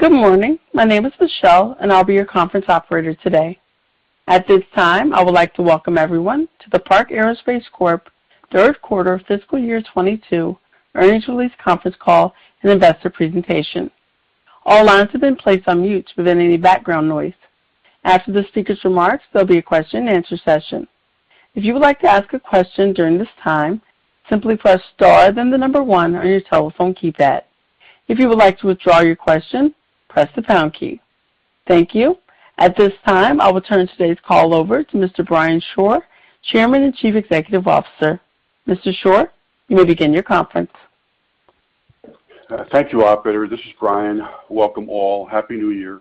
Good morning. My name is Michelle, and I'll be your conference operator today. At this time, I would like to welcome everyone to the Park Aerospace Corp. Third Quarter Fiscal Year 2022 Earnings Release Conference Call and Investor Presentation. All lines have been placed on mute to prevent any background noise. After the speaker's remarks, there'll be a question and answer session. If you would like to ask a question during this time, simply press star then the number one on your telephone keypad. If you would like to withdraw your question, press the pound key. Thank you. At this time, I will turn today's call over to Mr. Brian Shore, Chairman and Chief Executive Officer. Mr. Shore, you may begin your conference. Thank you, operator. This is Brian. Welcome all. Happy New Year.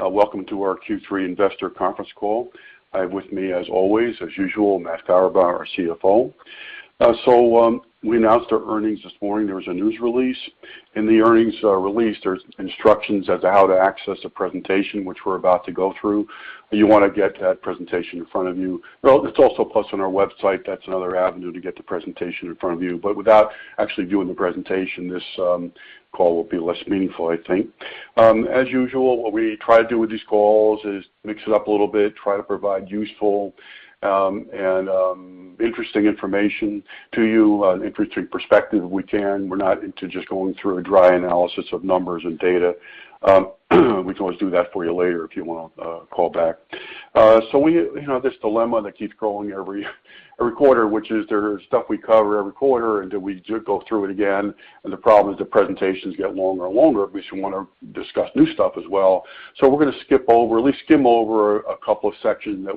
Welcome to our Q3 Investor Conference Call. I have with me as always, as usual, Matt Farabaugh, our CFO. So, we announced our earnings this morning. There was a news release. In the earnings release, there's instructions as to how to access a presentation which we're about to go through. You wanna get that presentation in front of you. Well, it's also posted on our website. That's another avenue to get the presentation in front of you. Without actually doing the presentation, this call will be less meaningful, I think. As usual, what we try to do with these calls is mix it up a little bit, try to provide useful and interesting information to you, interesting perspective we can. We're not into just going through a dry analysis of numbers and data. We can always do that for you later if you wanna call back. You know, this dilemma that keeps growing every quarter, which is there is stuff we cover every quarter, and then we do go through it again, and the problem is the presentations get longer and longer. We should wanna discuss new stuff as well. We're gonna skip over, at least skim over, a couple of sections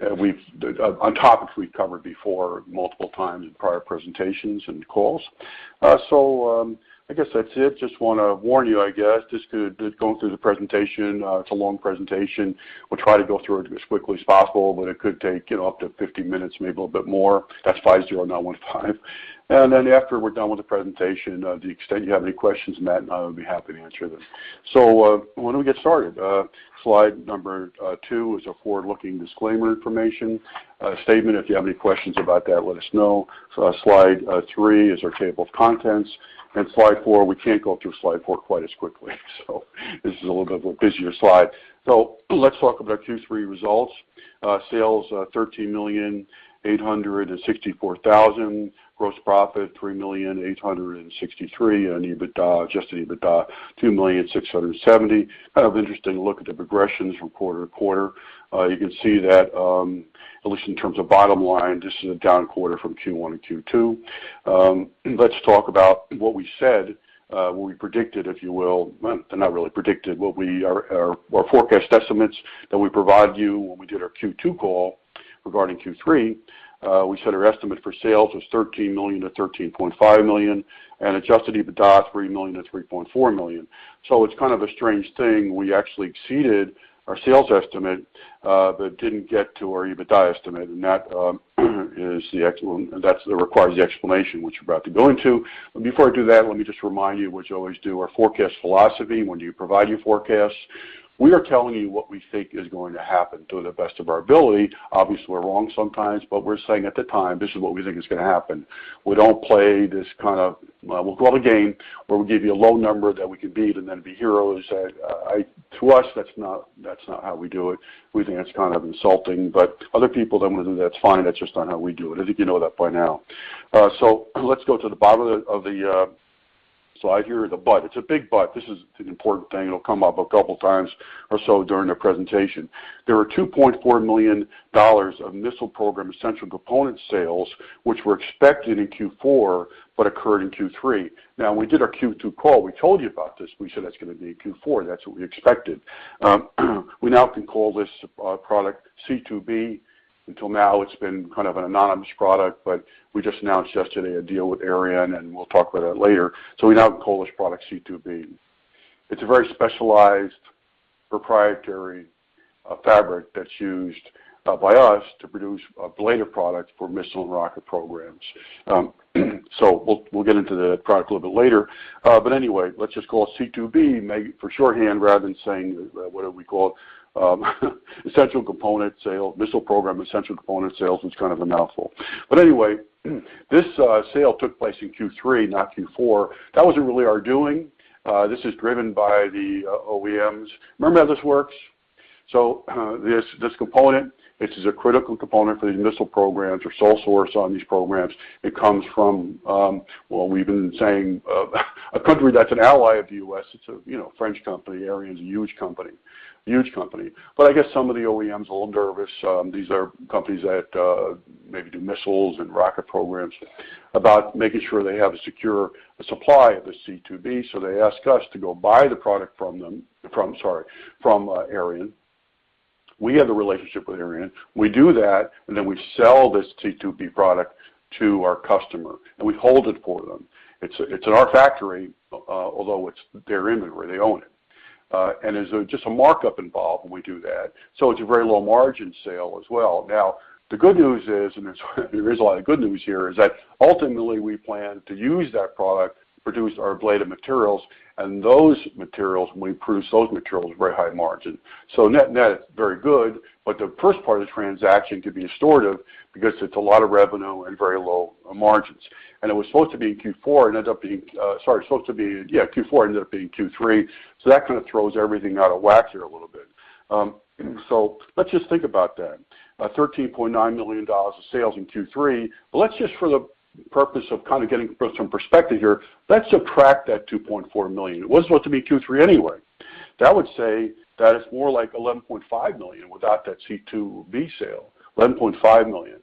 on topics we've covered before multiple times in prior presentations and calls. I guess that's it. Just wanna warn you, I guess, going through the presentation, it's a long presentation. We'll try to go through it as quickly as possible, but it could take, you know, up to 50 minutes, maybe a little bit more. That's 50, not 15. Then after we're done with the presentation, to the extent you have any questions, Matt and I will be happy to answer them. Why don't we get started? Slide number two is a forward-looking disclaimer information statement. If you have any questions about that, let us know. Slide three is our table of contents. And slide four, we can't go through slide four quite as quickly. This is a little bit of a busier slide. Let's talk about our Q3 results. Sales, $13.864 million. Gross profit, $3.863 million. EBITDA, Adjusted EBITDA, $2.67 million. Kind of interesting to look at the progressions from quarter to quarter. You can see that, at least in terms of bottom line, this is a down quarter from Q1 and Q2. Let's talk about what we said, what we predicted, if you will. Well, not really predicted. Our forecast estimates that we provide you when we did our Q2 call regarding Q3, we said our estimate for sales was $13 million-$13.5 million, and Adjusted EBITDA, $3 million-$3.4 million. It's kind of a strange thing. We actually exceeded our sales estimate, but didn't get to our EBITDA estimate, and that requires the explanation, which we're about to go into. Before I do that, let me just remind you what you always do, our forecast philosophy when you provide your forecasts. We are telling you what we think is going to happen to the best of our ability. Obviously, we're wrong sometimes, but we're saying at the time, this is what we think is gonna happen. We don't play this kind of, well, we'll call it a game, where we give you a low number that we can beat and then be heroes. To us, that's not how we do it. We think that's kind of insulting. Other people that wanna do that, it's fine. That's just not how we do it. I think you know that by now. Let's go to the bottom of the slide here, the but. It's a big but. This is an important thing. It'll come up a couple times or so during the presentation. There are $2.4 million of missile program essential component sales, which were expected in Q4 but occurred in Q3. Now, when we did our Q2 call, we told you about this. We said that's gonna be in Q4. That's what we expected. We now can call this product C2B. Until now, it's been kind of an anonymous product, but we just announced yesterday a deal with Ariane, and we'll talk about that later. We now can call this product C2B. It's a very specialized proprietary fabric that's used by us to produce ablative products for missile and rocket programs. We'll get into the product a little bit later. Anyway, let's just call it C2B for shorthand rather than saying, whatever we call it, essential component sale, missile program essential component sales. It's kind of a mouthful. Anyway, this sale took place in Q3, not Q4. That wasn't really our doing. This is driven by the OEMs. Remember how this works. This component is a critical component for these missile programs or sole source on these programs. It comes from, well, we've been saying, a country that's an ally of the U.S. It's a, you know, French company. Ariane's a huge company. I guess some of the OEMs are a little nervous, these are companies that maybe do missiles and rocket programs, about making sure they have a secure supply of the C2B, so they ask us to go buy the product from Ariane. We have the relationship with Ariane. We do that, and then we sell this C2B product to our customer, and we hold it for them. It's in our factory, although it's their inventory, they own it. And there's just a markup involved when we do that, so it's a very low margin sale as well. Now, the good news is, and there's a lot of good news here, is that ultimately we plan to use that product to produce our ablative materials, and those materials, when we produce those materials, very high margin. Net-net, very good, but the first part of the transaction could be distortive because it's a lot of revenue and very low margins. It was supposed to be in Q4 and ended up being Q3, so that kinda throws everything out of whack here a little bit. Let's just think about that. $13.9 million of sales in Q3. Let's just for the purpose of kind of getting some perspective here, let's subtract that $2.4 million. It wasn't supposed to be Q3 anyway. That would say that it's more like $11.5 million without that C2B sale. $11.5 million.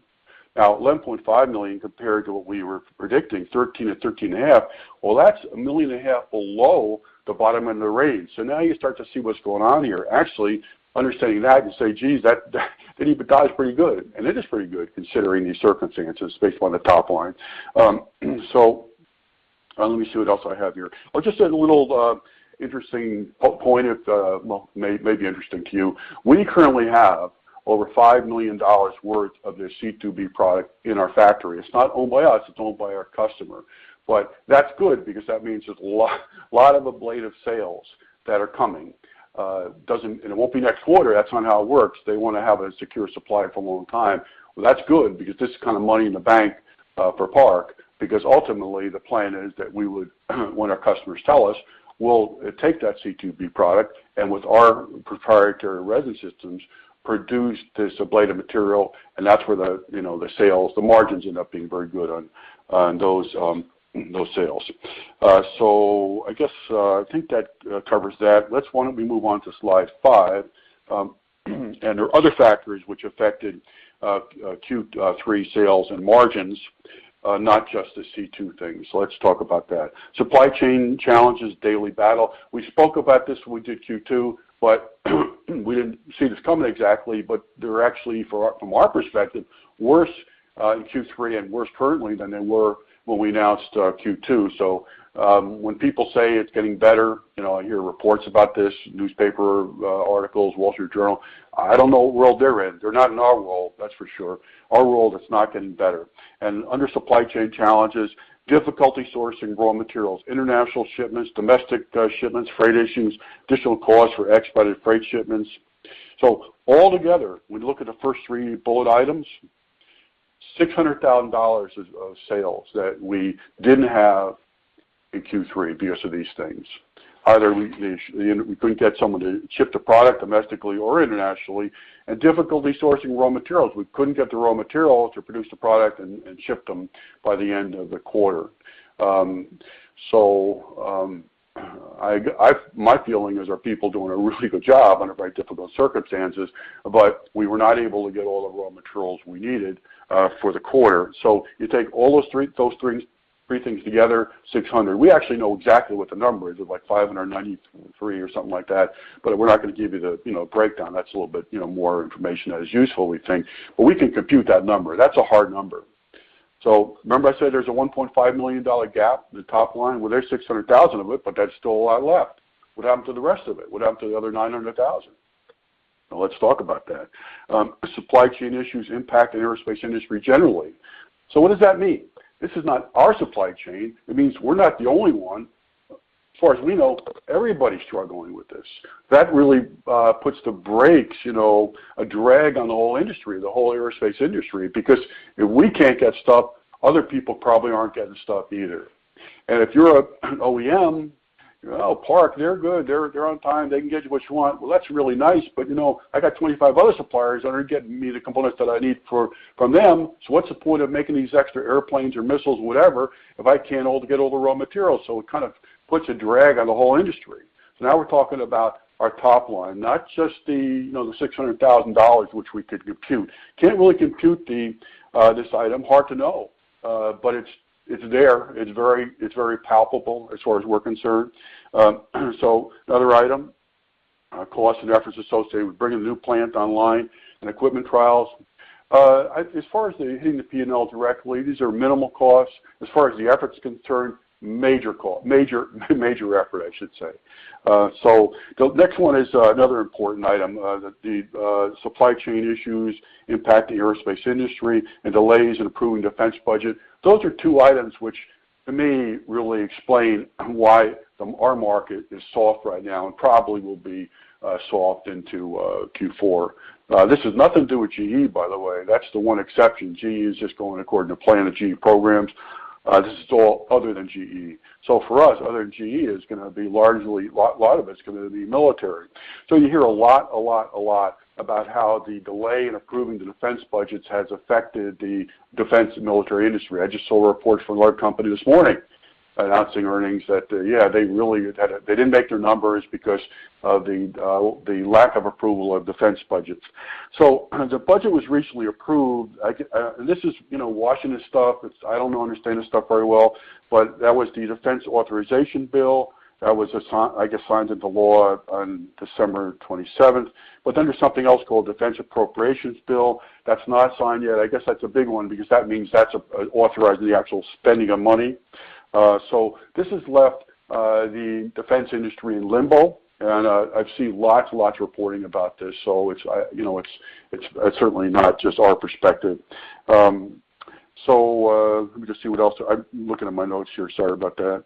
Now, $11.5 million compared to what we were predicting, $13 million-$13.5 million. Well, that's $1.5 million below the bottom end of the range. Now you start to see what's going on here. Actually, understanding that and say, geez, that EBITDA is pretty good. It is pretty good considering these circumstances based on the top line. Let me see what else I have here. Just a little interesting point if, well, it may be interesting to you. We currently have over $5 million worth of this C2B product in our factory. It's not owned by us, it's owned by our customer. That's good because that means there's a lot of ablative sales that are coming. It won't be next quarter. That's not how it works. They want to have a secure supply for a long time. Well, that's good because this is kind of money in the bank for Park, because ultimately the plan is that we would, when our customers tell us, we'll take that C2B product, and with our proprietary resin systems, produce this ablative material, and that's where the, you know, the sales, the margins end up being very good on those sales. I guess I think that covers that. Let's, why don't we move on to slide five. There are other factors which affected Q3 sales and margins, not just the C2 thing. Let's talk about that. Supply chain challenges, daily battle. We spoke about this when we did Q2, but we didn't see this coming exactly. They're actually, from our perspective, worse in Q3 and worse currently than they were when we announced Q2. When people say it's getting better, you know, I hear reports about this, newspaper articles, Wall Street Journal. I don't know what world they're in. They're not in our world, that's for sure. Our world, it's not getting better. Under supply chain challenges, difficulty sourcing raw materials, international shipments, domestic shipments, freight issues, additional costs for expedited freight shipments. All together, we look at the first three bullet items, $600,000 of sales that we didn't have in Q3 because of these things. Either we couldn't get someone to ship the product domestically or internationally, and difficulty sourcing raw materials. We couldn't get the raw materials to produce the product and ship them by the end of the quarter. My feeling is our people doing a really good job under very difficult circumstances, but we were not able to get all the raw materials we needed for the quarter. You take all those three things together, $600,000. We actually know exactly what the number is. It's like $593,000 or something like that. We're not gonna give you the, you know, breakdown. That's a little bit, you know, more information than is useful, we think. We can compute that number. That's a hard number. Remember I said there's a $1.5 million gap in the top line? There's $600,000 of it, but that's still a lot left. What happened to the rest of it? What happened to the other $900,000? Now let's talk about that. Supply chain issues impact the aerospace industry generally. What does that mean? This is not our supply chain. It means we're not the only one. As far as we know, everybody's struggling with this. That really puts the brakes, you know, a drag on the whole industry, the whole aerospace industry. Because if we can't get stuff, other people probably aren't getting stuff either. If you're an OEM, you know, Park, they're good. They're on time. They can get you what you want. Well, that's really nice, but, you know, I got 25 other suppliers that are getting me the components that I need for, from them, so what's the point of making these extra air planes or missiles, whatever, if I can't get all the raw materials? It kind of puts a drag on the whole industry. Now we're talking about our top line, not just the, you know, the $600,000, which we could compute. Can't really compute this item. Hard to know. But it's there. It's very palpable as far as we're concerned. Another item, cost and efforts associated with bringing a new plant online and equipment trials. As far as hitting the P&L directly, these are minimal costs. As far as the effort's concerned, major cost. Major effort, I should say. The next one is another important item. The supply chain issues impacting aerospace industry and delays in approving defense budget. Those are two items which to me really explain why our market is soft right now and probably will be soft into Q4. This has nothing to do with GE, by the way. That's the one exception. GE is just going according to plan of GE programs. This is all other than GE. For us, other than GE, is gonna be largely a lot of it's gonna be military. You hear a lot about how the delay in approving the defense budgets has affected the defense and military industry. I just saw a report from a large company this morning announcing earnings that, yeah, they really had a... They didn't make their numbers because of the lack of approval of defense budgets. The budget was recently approved. This is, you know, Washington stuff. It's. I don't understand this stuff very well, but that was the Defense Authorization Bill that was signed into law on December twenty-seventh. There's something else called Defense Appropriations Bill. That's not signed yet. I guess that's a big one because that means that's authorizing the actual spending of money. This has left the defense industry in limbo, and I've seen lots and lots of reporting about this. It's, you know, it's certainly not just our perspective. Let me just see what else. I'm looking at my notes here. Sorry about that.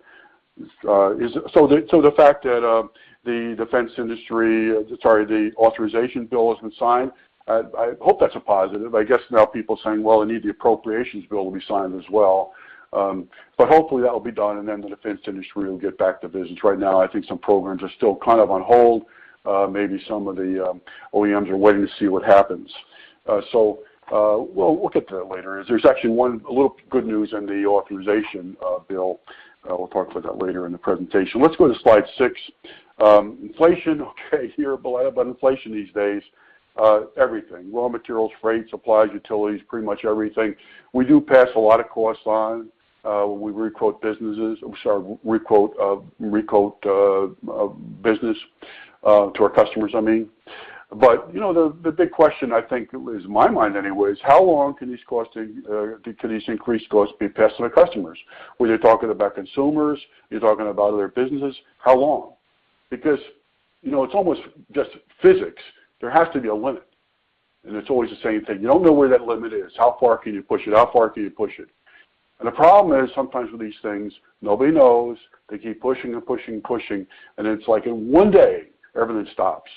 The fact that the defense industry, sorry, the authorization bill has been signed. I hope that's a positive. I guess now people saying, "Well, I need the appropriations bill to be signed as well." Hopefully, that will be done, and then the defense industry will get back to business. Right now, I think some programs are still kind of on hold. Maybe some of the OEMs are waiting to see what happens. We'll look at that later as there's actually a little good news in the authorization bill. We'll talk about that later in the presentation. Let's go to slide six. Inflation. Okay, about inflation these days, everything. Raw materials, freight, supplies, utilities, pretty much everything. We do pass a lot of costs on when we re-quote business to our customers, I mean. You know, the big question I think is, in my mind anyway, is how long can these increased costs be passed to the customers? Whether you're talking about consumers, you're talking about other businesses, how long? Because, you know, it's almost just physics. There has to be a limit, and it's always the same thing. You don't know where that limit is. How far can you push it? And the problem is sometimes with these things, nobody knows. They keep pushing and pushing and pushing, and it's like in one day, everything stops.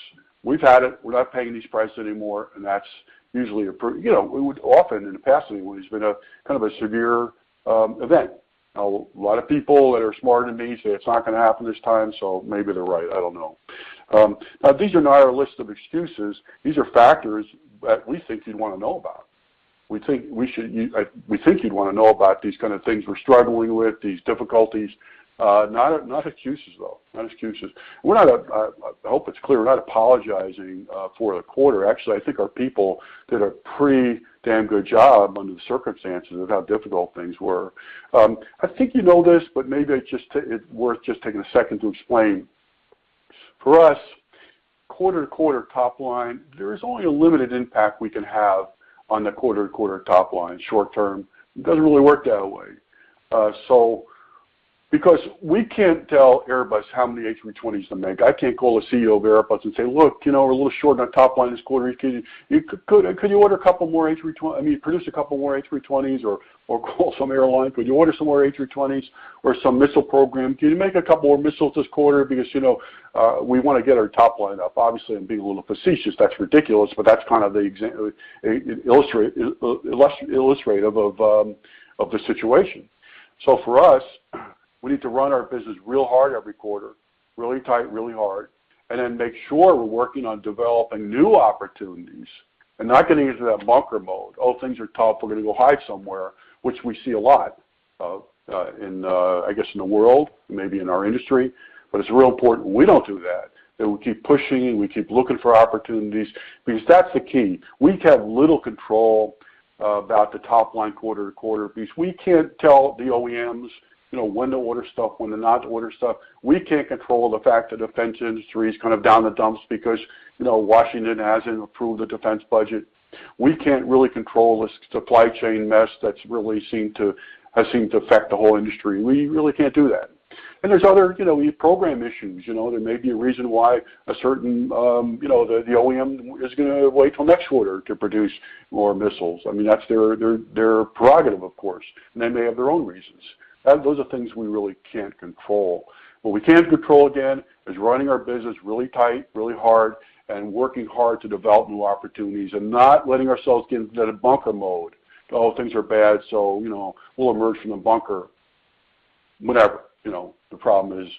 We've had it. We're not paying these prices anymore, and that's usually. You know, we would. Often in the past, anyway, there's been a kind of severe event. Now, a lot of people that are smarter than me say it's not gonna happen this time, so maybe they're right. I don't know. Now these are not our list of excuses. These are factors that we think you'd wanna know about. We think you'd wanna know about these kind of things we're struggling with, these difficulties. Not excuses, though. Not excuses. I hope it's clear, we're not apologizing for the quarter. Actually, I think our people did a pretty damn good job under the circumstances of how difficult things were. I think you know this, but maybe it's just it's worth just taking a second to explain. For us, quarter to quarter top line, there is only a limited impact we can have on the quarter to quarter top line short term. It doesn't really work that way. Because we can't tell Airbus how many A320s to make. I can't call the CEO of Airbus and say, "Look, you know, we're a little short on top line this quarter. Could you produce a couple more A320s?" Or call some airlines, "Could you order some more A320s?" Or some missile program, "Can you make a couple more missiles this quarter? Because, you know, we wanna get our top line up." Obviously, I'm being a little facetious. That's ridiculous, but that's kind of the illustrative of the situation. For us, we need to run our business real hard every quarter, really tight, really hard, and then make sure we're working on developing new opportunities and not getting into that bunker mode. Oh, things are tough. We're gonna go hide somewhere, which we see a lot in, I guess, in the world, maybe in our industry. It's real important we don't do that we keep pushing, and we keep looking for opportunities because that's the key. We have little control about the top line quarter to quarter because we can't tell the OEMs, you know, when to order stuff, when to not to order stuff. We can't control the fact the defense industry is kind of down in the dumps because, you know, Washington hasn't approved the defense budget. We can't really control the supply chain mess that's really seemed to has seemed to affect the whole industry. We really can't do that. There's other, you know, we have program issues. You know, there may be a reason why a certain, you know, the OEM is gonna wait till next quarter to produce more missiles. I mean, that's their prerogative, of course, and they may have their own reasons. Those are things we really can't control. What we can control, again, is running our business really tight, really hard, and working hard to develop new opportunities and not letting ourselves get into the bunker mode. Oh, things are bad, so, you know, we'll emerge from the bunker whenever. You know, the problem is,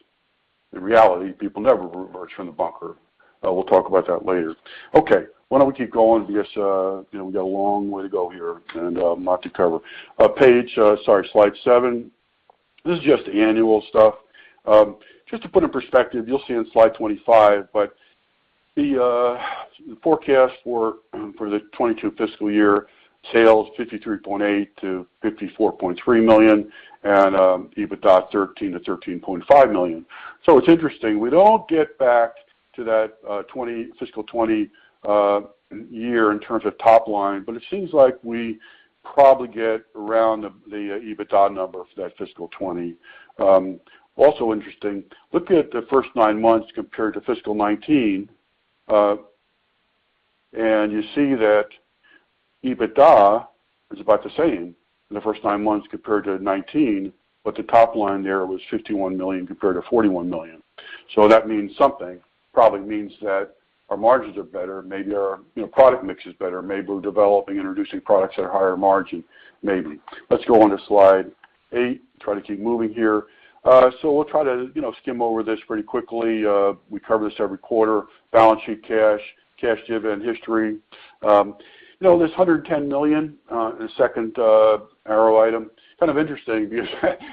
in reality, people never emerge from the bunker. We'll talk about that later. Okay. Why don't we keep going because you know we got a long way to go here and a lot to cover. Slide seven. This is just annual stuff. Just to put in perspective, you'll see on slide 25, but the forecast for the 2022 fiscal year sales, $53.8 million-$54.3 million and EBITDA, $13 million-$13.5 million. It's interesting. We'd all get back to that fiscal 2020 year in terms of top line, but it seems like we probably get around the EBITDA number for that fiscal 2020. Also interesting, looking at the first nine months compared to fiscal 2019, and you see that EBITDA is about the same in the first nine months compared to 2019, but the top line there was $51 million compared to $41 million. That means something. Probably means that our margins are better. Maybe our, you know, product mix is better. Maybe we're developing and introducing products at a higher margin. Maybe. Let's go on to slide 8. Try to keep moving here. We'll try to, you know, skim over this pretty quickly. We cover this every quarter. Balance sheet, cash dividend history. You know, this $110 million in the second arrow item, it's kind of interesting because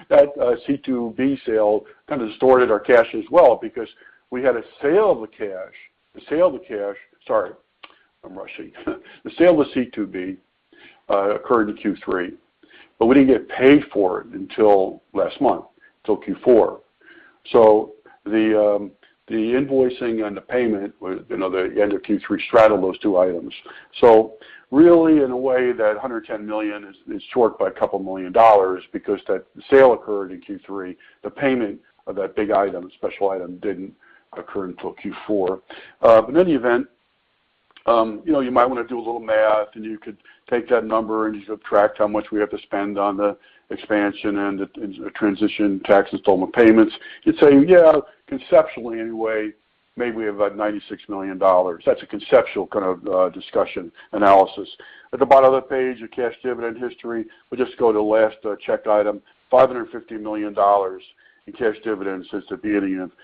that C2B sale kinda distorted our cash as well because we had a sale of the C2B. The sale of the C2B occurred in Q3, but we didn't get paid for it until last month, till Q4. So the invoicing and the payment was, you know, the end of Q3 straddle those two items. So really, in a way, that $110 million is short by a couple million dollars because that sale occurred in Q3. The payment of that big item, special item, didn't occur until Q4. But in any event, you know, you might wanna do a little math, and you could take that number, and you subtract how much we have to spend on the expansion and the transition taxes, all the payments. You'd say, "Yeah, conceptually anyway, maybe we have about $96 million." That's a conceptual kind of discussion analysis. At the bottom of the page, your cash dividend history. We'll just go to the last checked item, $550 million in cash dividends since the beginning of 2005.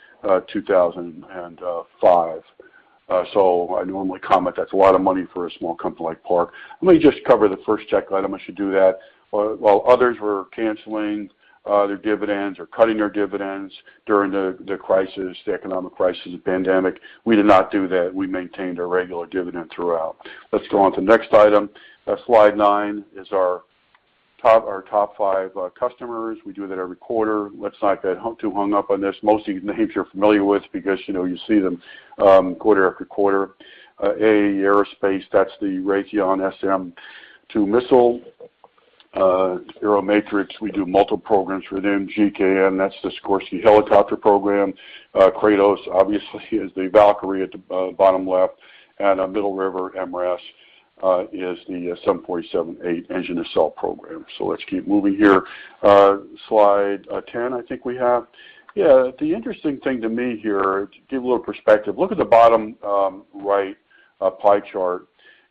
So I normally comment that's a lot of money for a small company like Park. Let me just cover the first check item. I should do that. While others were canceling their dividends or cutting their dividends during the economic crisis of pandemic, we did not do that. We maintained our regular dividend throughout. Let's go on to the next item. Slide 9 is our top 5 customers. We do that every quarter. Let's not get too hung up on this. Most of these names you're familiar with because, you know, you see them quarter after quarter. AE Aerospace, that's the Raytheon SM-2 Missile. Aeromatrix Composites, we do multiple programs for them. GKN, that's the Sikorsky helicopter program. Kratos obviously is the Valkyrie at the bottom left. Middle River, MRAS, is the 747-8 engine assault program. Let's keep moving here. Slide 10, I think we have. The interesting thing to me here, to give a little perspective, look at the bottom, right, pie chart.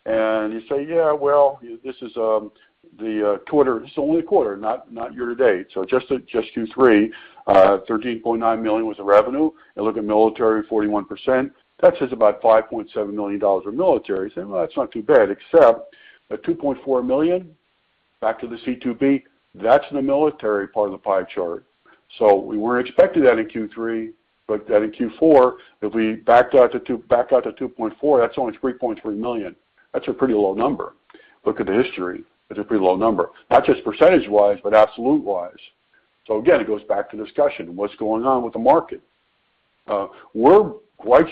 You say, "Yeah, well, this is the quarter. This is only a quarter, not year to date." Just Q3, $13.9 million was the revenue. Look at military, 41%. That says about $5.7 million of military. You say, "Well, that's not too bad," except the $2.4 million, back to the C2B, that's in the military part of the pie chart. We were expecting that in Q3, but then in Q4, if we back out to $2.4 million, that's only $3.3 million. That's a pretty low number. Look at the history. That's a pretty low number, not just percentage-wise, but absolute-wise. It goes back to the discussion, what's going on with the market? We're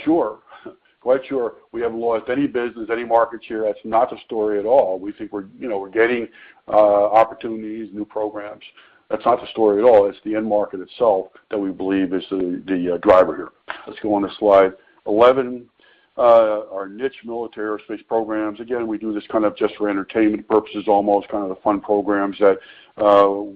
quite sure we haven't lost any business, any market share. That's not the story at all. We think we're, you know, we're getting opportunities, new programs. That's not the story at all. It's the end market itself that we believe is the driver here. Let's go on to slide 11. Our niche military aerospace programs. Again, we do this kind of just for entertainment purposes, almost kind of the fun programs that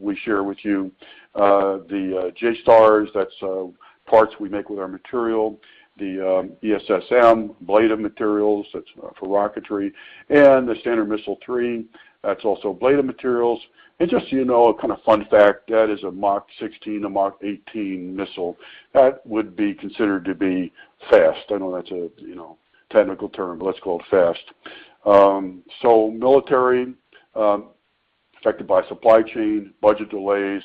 we share with you. The JSTARS, that's parts we make with our material. The ESSM, ablative materials, that's for rocketry. The Standard Missile 3, that's also ablative materials. Just so you know, a kind of fun fact, that is a Mach 16-Mach 18 missile. That would be considered to be fast. I know that's a, you know, technical term, but let's call it fast. Military, affected by supply chain, budget delays,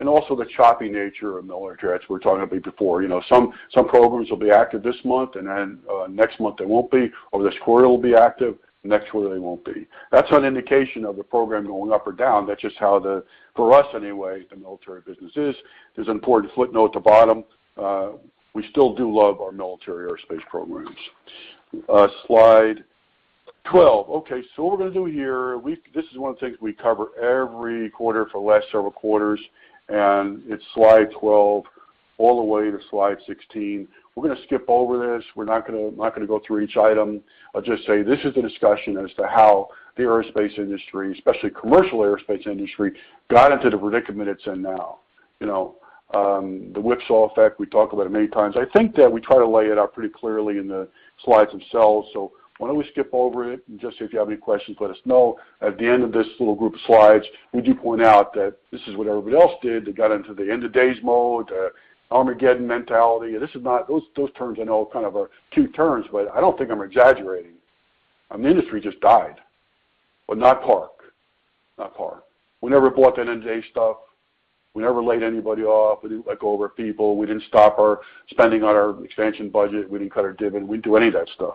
and also the choppy nature of military, as we were talking about before. You know, some programs will be active this month and then next month they won't be, or this quarter will be active, next quarter they won't be. That's not an indication of the program going up or down. That's just how the, for us anyway, the military business is. There's an important footnote at the bottom. We still do love our military aerospace programs. Slide 12. Okay, so what we're gonna do here, this is one of the things we cover every quarter for the last several quarters, and it's slide 12 all the way to slide 16. We're gonna skip over this. We're not gonna go through each item. I'll just say this is the discussion as to how the aerospace industry, especially commercial aerospace industry, got into the predicament it's in now. You know, the whipsaw effect, we talked about it many times. I think that we try to lay it out pretty clearly in the slides themselves, so why don't we skip over it and just if you have any questions, let us know. At the end of this little group of slides, we do point out that this is what everybody else did. They got into the end-of-days mode, Armageddon mentality. Those terms I know are kind of cute terms, but I don't think I'm exaggerating. The industry just died. Not Park, not Park. We never bought that end-of-days stuff. We never laid anybody off. We didn't let go of our people. We didn't stop our spending on our expansion budget. We didn't cut our dividend. We didn't do any of that stuff.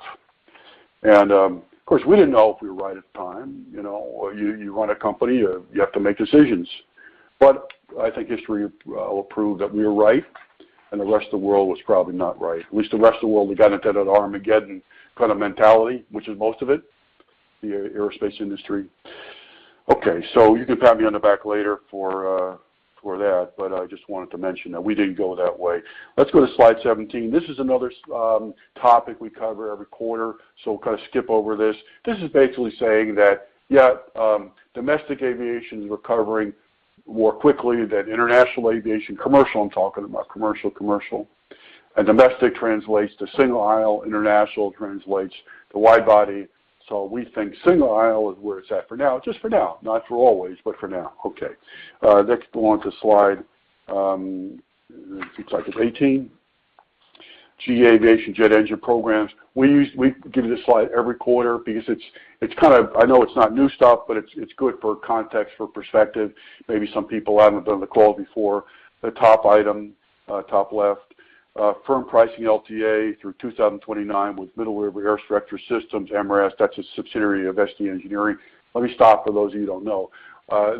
Of course, we didn't know if we were right at the time. You know, you run a company, you have to make decisions. I think history will prove that we were right, and the rest of the world was probably not right. At least the rest of the world, they got into that Armageddon kind of mentality, which is most of it, the aerospace industry. Okay, you can pat me on the back later for that, but I just wanted to mention that we didn't go that way. Let's go to slide 17. This is another topic we cover every quarter, so we'll kind of skip over this. This is basically saying that, yeah, domestic aviation is recovering more quickly than international aviation. Commercial, I'm talking about commercial. Domestic translates to single aisle, international translates to wide body. We think single aisle is where it's at for now. Just for now, not for always, but for now. Okay. Next we'll go on to slide, looks like it's 18. GE Aviation jet engine programs. We give you this slide every quarter because it's kind of, I know it's not new stuff, but it's good for context, for perspective. Maybe some people haven't been on the call before. The top item, top left, firm pricing LTA through 2029 with Middle River Aerostructure Systems, MRAS. That's a subsidiary of ST Engineering. Let me stop for those of you who don't know.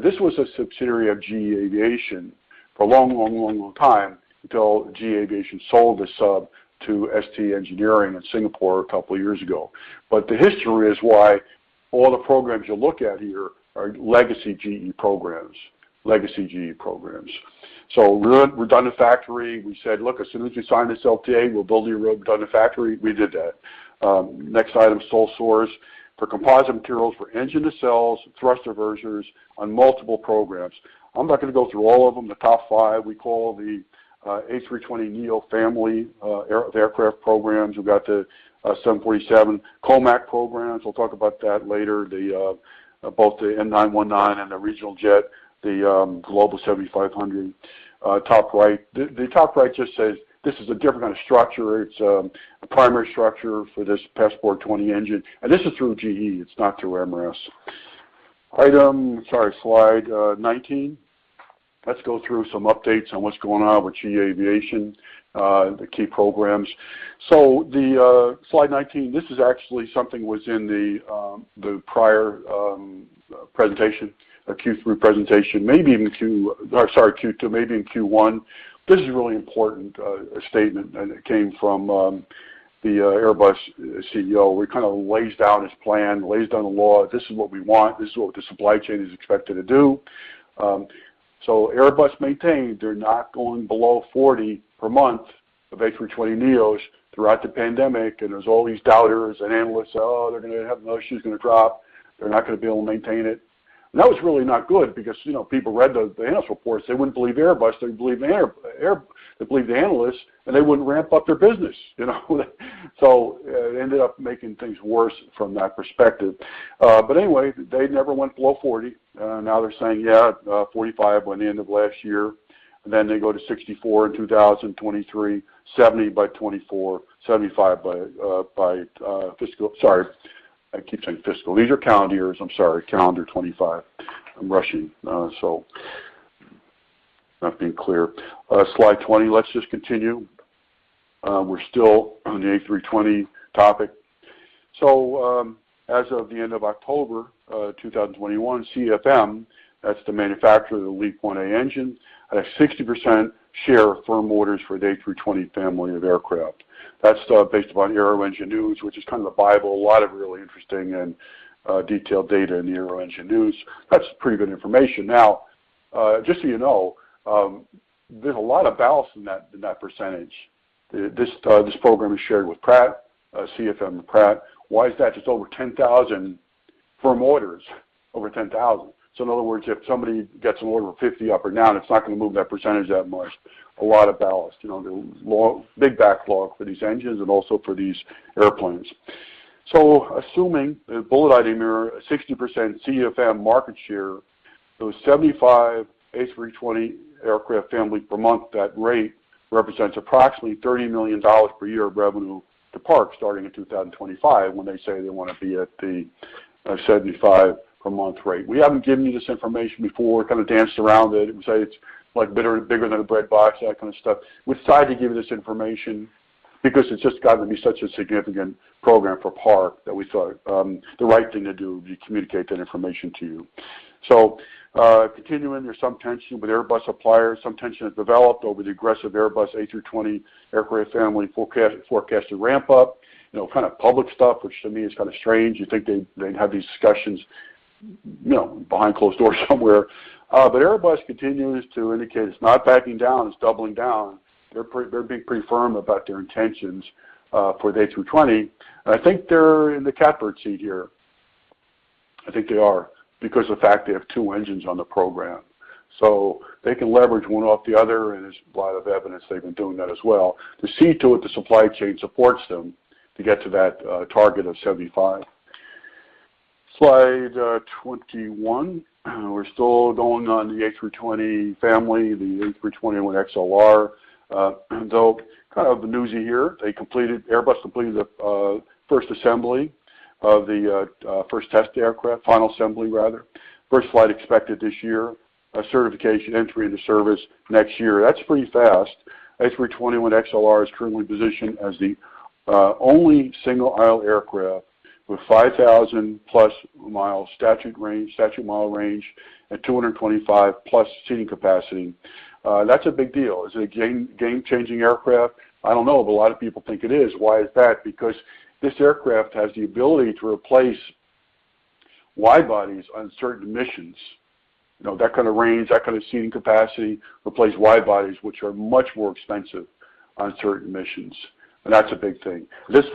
This was a subsidiary of GE Aviation for a long time until GE Aviation sold the sub to ST Engineering in Singapore a couple years ago. The history is why all the programs you look at here are legacy GE programs. Redundant factory, we said, "Look, as soon as you sign this LTA, we'll build you a redundant factory." We did that. Next item, sole source for composite materials for engine nacelles, thrust reversers on multiple programs. I'm not gonna go through all of them. The top five we call the A320neo family, A320 aircraft programs. We've got the 747 COMAC programs. We'll talk about that later. Both the C919 and the regional jet, the Global 7500, top right. The top right just says this is a different kind of structure. It's a primary structure for this Passport 20 engine, and this is through GE. It's not through MRAS. Sorry, slide 19. Let's go through some updates on what's going on with GE Aviation, the key programs. The slide 19, this is actually something that was in the prior presentation, Q3 presentation, maybe even Q2, maybe in Q1. This is a really important statement, and it came from the Airbus CEO, where he kind of lays down his plan, lays down the law. This is what we want. This is what the supply chain is expected to do. Airbus maintained they're not going below 40% per month of A320neos throughout the pandemic, and there's all these doubters and analysts, "Oh, they're gonna have no, shit's gonna drop. They're not gonna be able to maintain it." That was really not good because, you know, people read the analyst reports. They wouldn't believe Airbus. They believed the analysts, and they wouldn't ramp up their business, you know. It ended up making things worse from that perspective. They never went below 40%. Now they're saying 45% by the end of last year, and then they go to 64% in 2023, 70% by 2024, 75% by calendar 2025. I'm rushing, so not being clear. Slide 20, let's just continue. We're still on the A320 topic. As of the end of October 2021, CFM, that's the manufacturer of the LEAP-1A engine, had a 60% share of firm orders for the A320 family of aircraft. That's based upon Aero Engine News, which is kind of the bible. A lot of really interesting and detailed data in the Aero Engine News. That's pretty good information. Now, just so you know, there's a lot of balance in that percentage. This program is shared with Pratt, CFM-Pratt. Why is that? Just over 10,000 firm orders. In other words, if somebody gets an order of 50 up or down, it's not gonna move that percentage that much. A lot of ballast. You know, the long big backlog for these engines and also for these airplanes. Assuming the bullet item here, a 60% CFM market share, those 75%, A320 aircraft family per month, that rate represents approximately $30 million per year of revenue to Park starting in 2025 when they say they wanna be at the 75% per month rate. We haven't given you this information before. Kind of danced around it and say it's like bigger than a bread box, that kind of stuff. We decided to give you this information because it's just gotten to be such a significant program for Park that we thought the right thing to do would be to communicate that information to you. Continuing, there's some tension with Airbus suppliers. Some tension has developed over the aggressive Airbus A320 aircraft family forecasted ramp up. You know, kind of public stuff, which to me is kind of strange. You think they'd have these discussions, you know, behind closed doors somewhere. Airbus continues to indicate it's not backing down, it's doubling down. They're being pretty firm about their intentions for the A320, and I think they're in the catbird seat here. I think they are because of the fact they have two engines on the program. They can leverage one off the other, and there's a lot of evidence they've been doing that as well. They see to it the supply chain supports them to get to that target of 75. Slide 21. We're still going on the A320 family, the A321XLR. So kind of the newsy here. Airbus completed the first assembly of the first test aircraft, final assembly rather. First flight expected this year. Certification entry into service next year. That's pretty fast. A321XLR is currently positioned as the only single-aisle aircraft with 5,000+ mile statute range, statute mile range at 225+ seating capacity. That's a big deal. Is it a game-changing aircraft? I don't know, but a lot of people think it is. Why is that? Because this aircraft has the ability to replace wide-bodies on certain missions. You know, that kind of range, that kind of seating capacity replace wide-bodies, which are much more expensive on certain missions, and that's a big thing. At this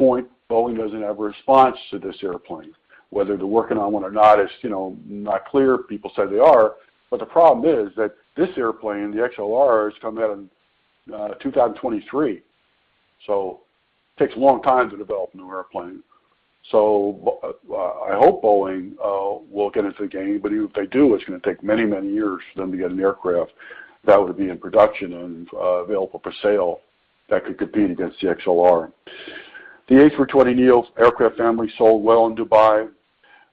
point, Boeing doesn't have a response to this airplane. Whether they're working on one or not is, you know, not clear. People say they are, but the problem is that this air plane, the XLR, is coming out in 2023. Takes a long time to develop a new air plane. I hope Boeing will get into the game, but even if they do, it's gonna take many, many years for them to get an aircraft that would be in production and available for sale that could compete against the XLR. The A320neo aircraft family sold well in Dubai.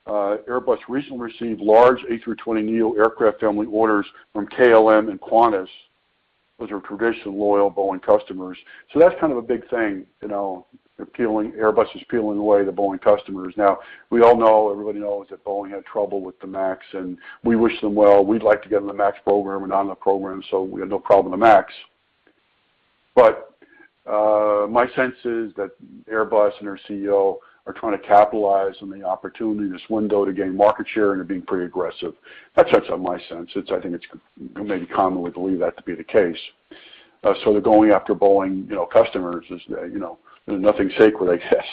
Airbus recently received large A320neo aircraft family orders from KLM and Qantas, which are traditionally loyal Boeing customers. That's kind of a big thing. You know, Airbus is peeling away the Boeing customers. Now, we all know, everybody knows that Boeing had trouble with the MAX, and we wish them well. We'd like to get on the MAX program. We're not on the program, so we have no problem with the MAX. My sense is that Airbus and their CEO are trying to capitalize on the opportunity, this window to gain market share, and are being pretty aggressive. That's just my sense. I think it's maybe commonly believed that to be the case. So they're going after Boeing, you know, customers is, you know, nothing's sacred, I guess.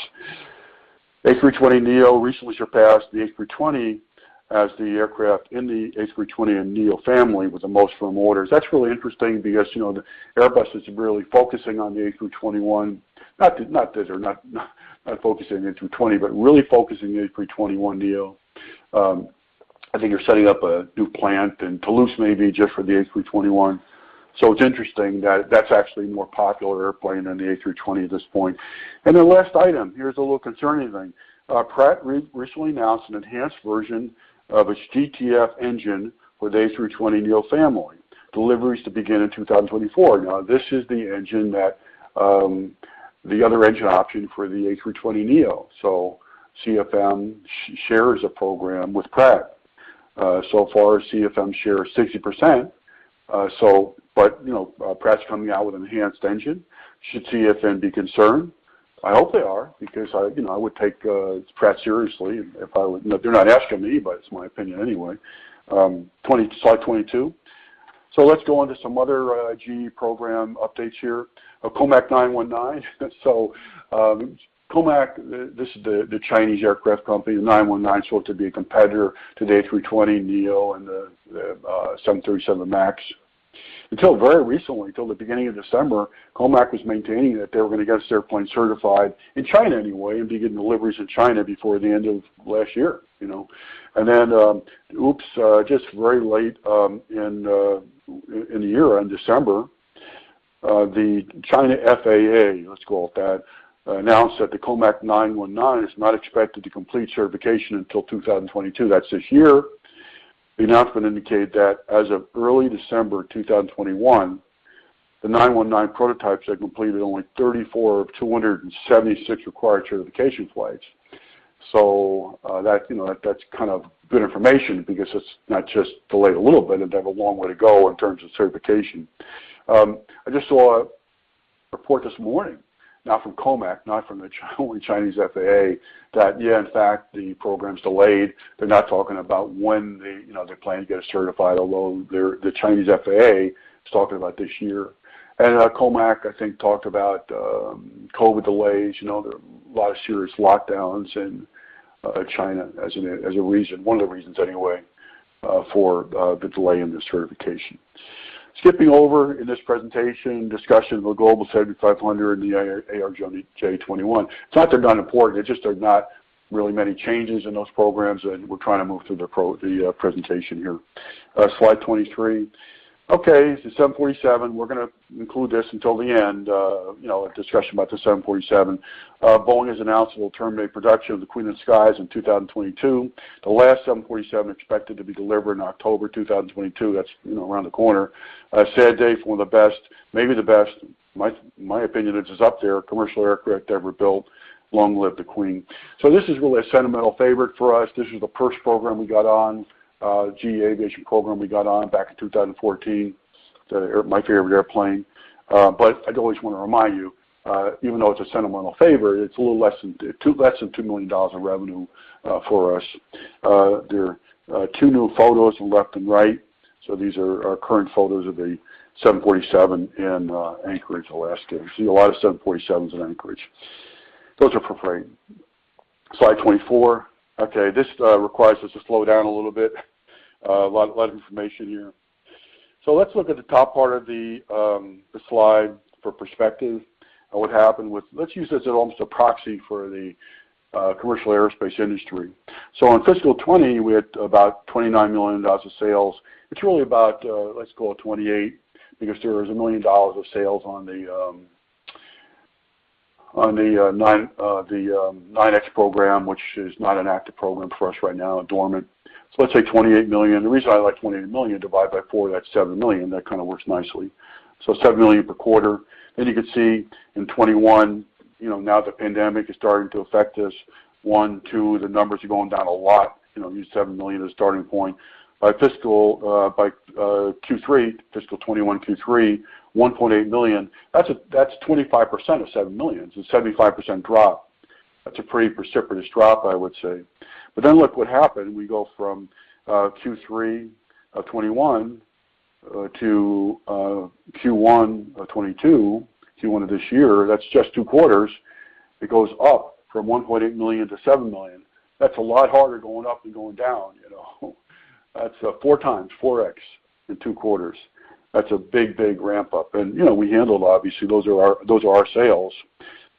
A320neo recently surpassed the A320 as the aircraft in the A320 and neo family with the most firm orders. That's really interesting because, you know, Airbus is really focusing on the A321. Not that they're not focusing the A320, but really focusing the A321neo. I think they're setting up a new plant in Toulouse maybe just for the A321. It's interesting that that's actually a more popular air plane than the A320 at this point. The last item, here's a little concerning thing. Pratt recently announced an enhanced version of its GTF engine for the A320neo family, deliveries to begin in 2024. Now, this is the engine that the other engine option for the A320neo. CFM shares a program with Pratt. So far, CFM shares 60%. You know, Pratt's coming out with enhanced engine. Should CFM be concerned? I hope they are because I you know I would take Pratt seriously if I were. No, they're not asking me, but it's my opinion anyway. Slide 22. Let's go on to some other GE program updates here. COMAC 919. COMAC, this is the Chinese aircraft company, the 919, so it to be a competitor to the A320neo and the 737 MAX. Until very recently, until the beginning of December, COMAC was maintaining that they were gonna get a certain point certified in China anyway, and begin deliveries in China before the end of last year, you know. Then, just very late in the year, in December, the CAAC, let's call it that, announced that the COMAC 919 is not expected to complete certification until 2022. That's this year. The announcement indicated that as of early December 2021, the 919 prototypes had completed only 34 of 276 required certification flights. That, you know, that's kind of good information because it's not just delayed a little bit, but they have a long way to go in terms of certification. I just saw a report this morning, not from COMAC, only from CAAC, that, yeah, in fact, the program's delayed. They're not talking about when they plan to get it certified, you know, although the CAAC is talking about this year. COMAC, I think, talked about COVID delays, you know, last year's lockdowns in China as a reason, one of the reasons anyway, for the delay in the certification. Skipping over in this presentation discussion of the Global 7500 and the ARJ21. It's not that they're not important, it's just there are not really many changes in those programs, and we're trying to move through the presentation here. Slide 23. Okay, the 747. We're gonna include this until the end, you know, a discussion about the 747. Boeing has announced it will terminate production of the Queen of the Skies in 2022. The last 747 expected to be delivered in October 2022. That's, you know, around the corner. A sad day for one of the best, maybe the best, my opinion is it's up there, commercial aircraft ever built. Long live the Queen. This is really a sentimental favorite for us. This is the first program we got on, GE Aviation program we got on back in 2014. My favorite air plane. I'd always wanna remind you, even though it's a sentimental favorite, it's a little less than $2 million of revenue for us. There are two new photos on left and right. These are our current photos of a 747 in Anchorage, Alaska. You see a lot of 747s in Anchorage. Those are appropriate. Slide 24. This requires us to slow down a little bit. A lot of information here. Let's look at the top part of the slide for perspective on what happened with. Let's use this as almost a proxy for the commercial aerospace industry. On fiscal 2020, we had about $29 million of sales. It's really about, let's call it 28 because there was $1 million of sales on the GE9X program, which is not an active program for us right now, dormant. Let's say $28 million. The reason I like $28 million, divide by 4, that's $7 million. That kind of works nicely. $7 million per quarter. Then you can see in 2021, you know, now the pandemic is starting to affect us. 1, 2, the numbers are going down a lot. You know, use $7 million as a starting point. By Q3, fiscal 2021 Q3, $1.8 million. That's 25% of $7 million. It's a 75% drop. That's a pretty precipitous drop, I would say. Then look what happened. We go from Q3 of 2021 to Q1 of 2022, Q1 of this year. That's just two quarters. It goes up from $1.8 million to $7 million. That's a lot harder going up than going down, you know? That's 4 times, 4x in two quarters. That's a big, big ramp-up. You know, we handle it obviously. Those are our sales.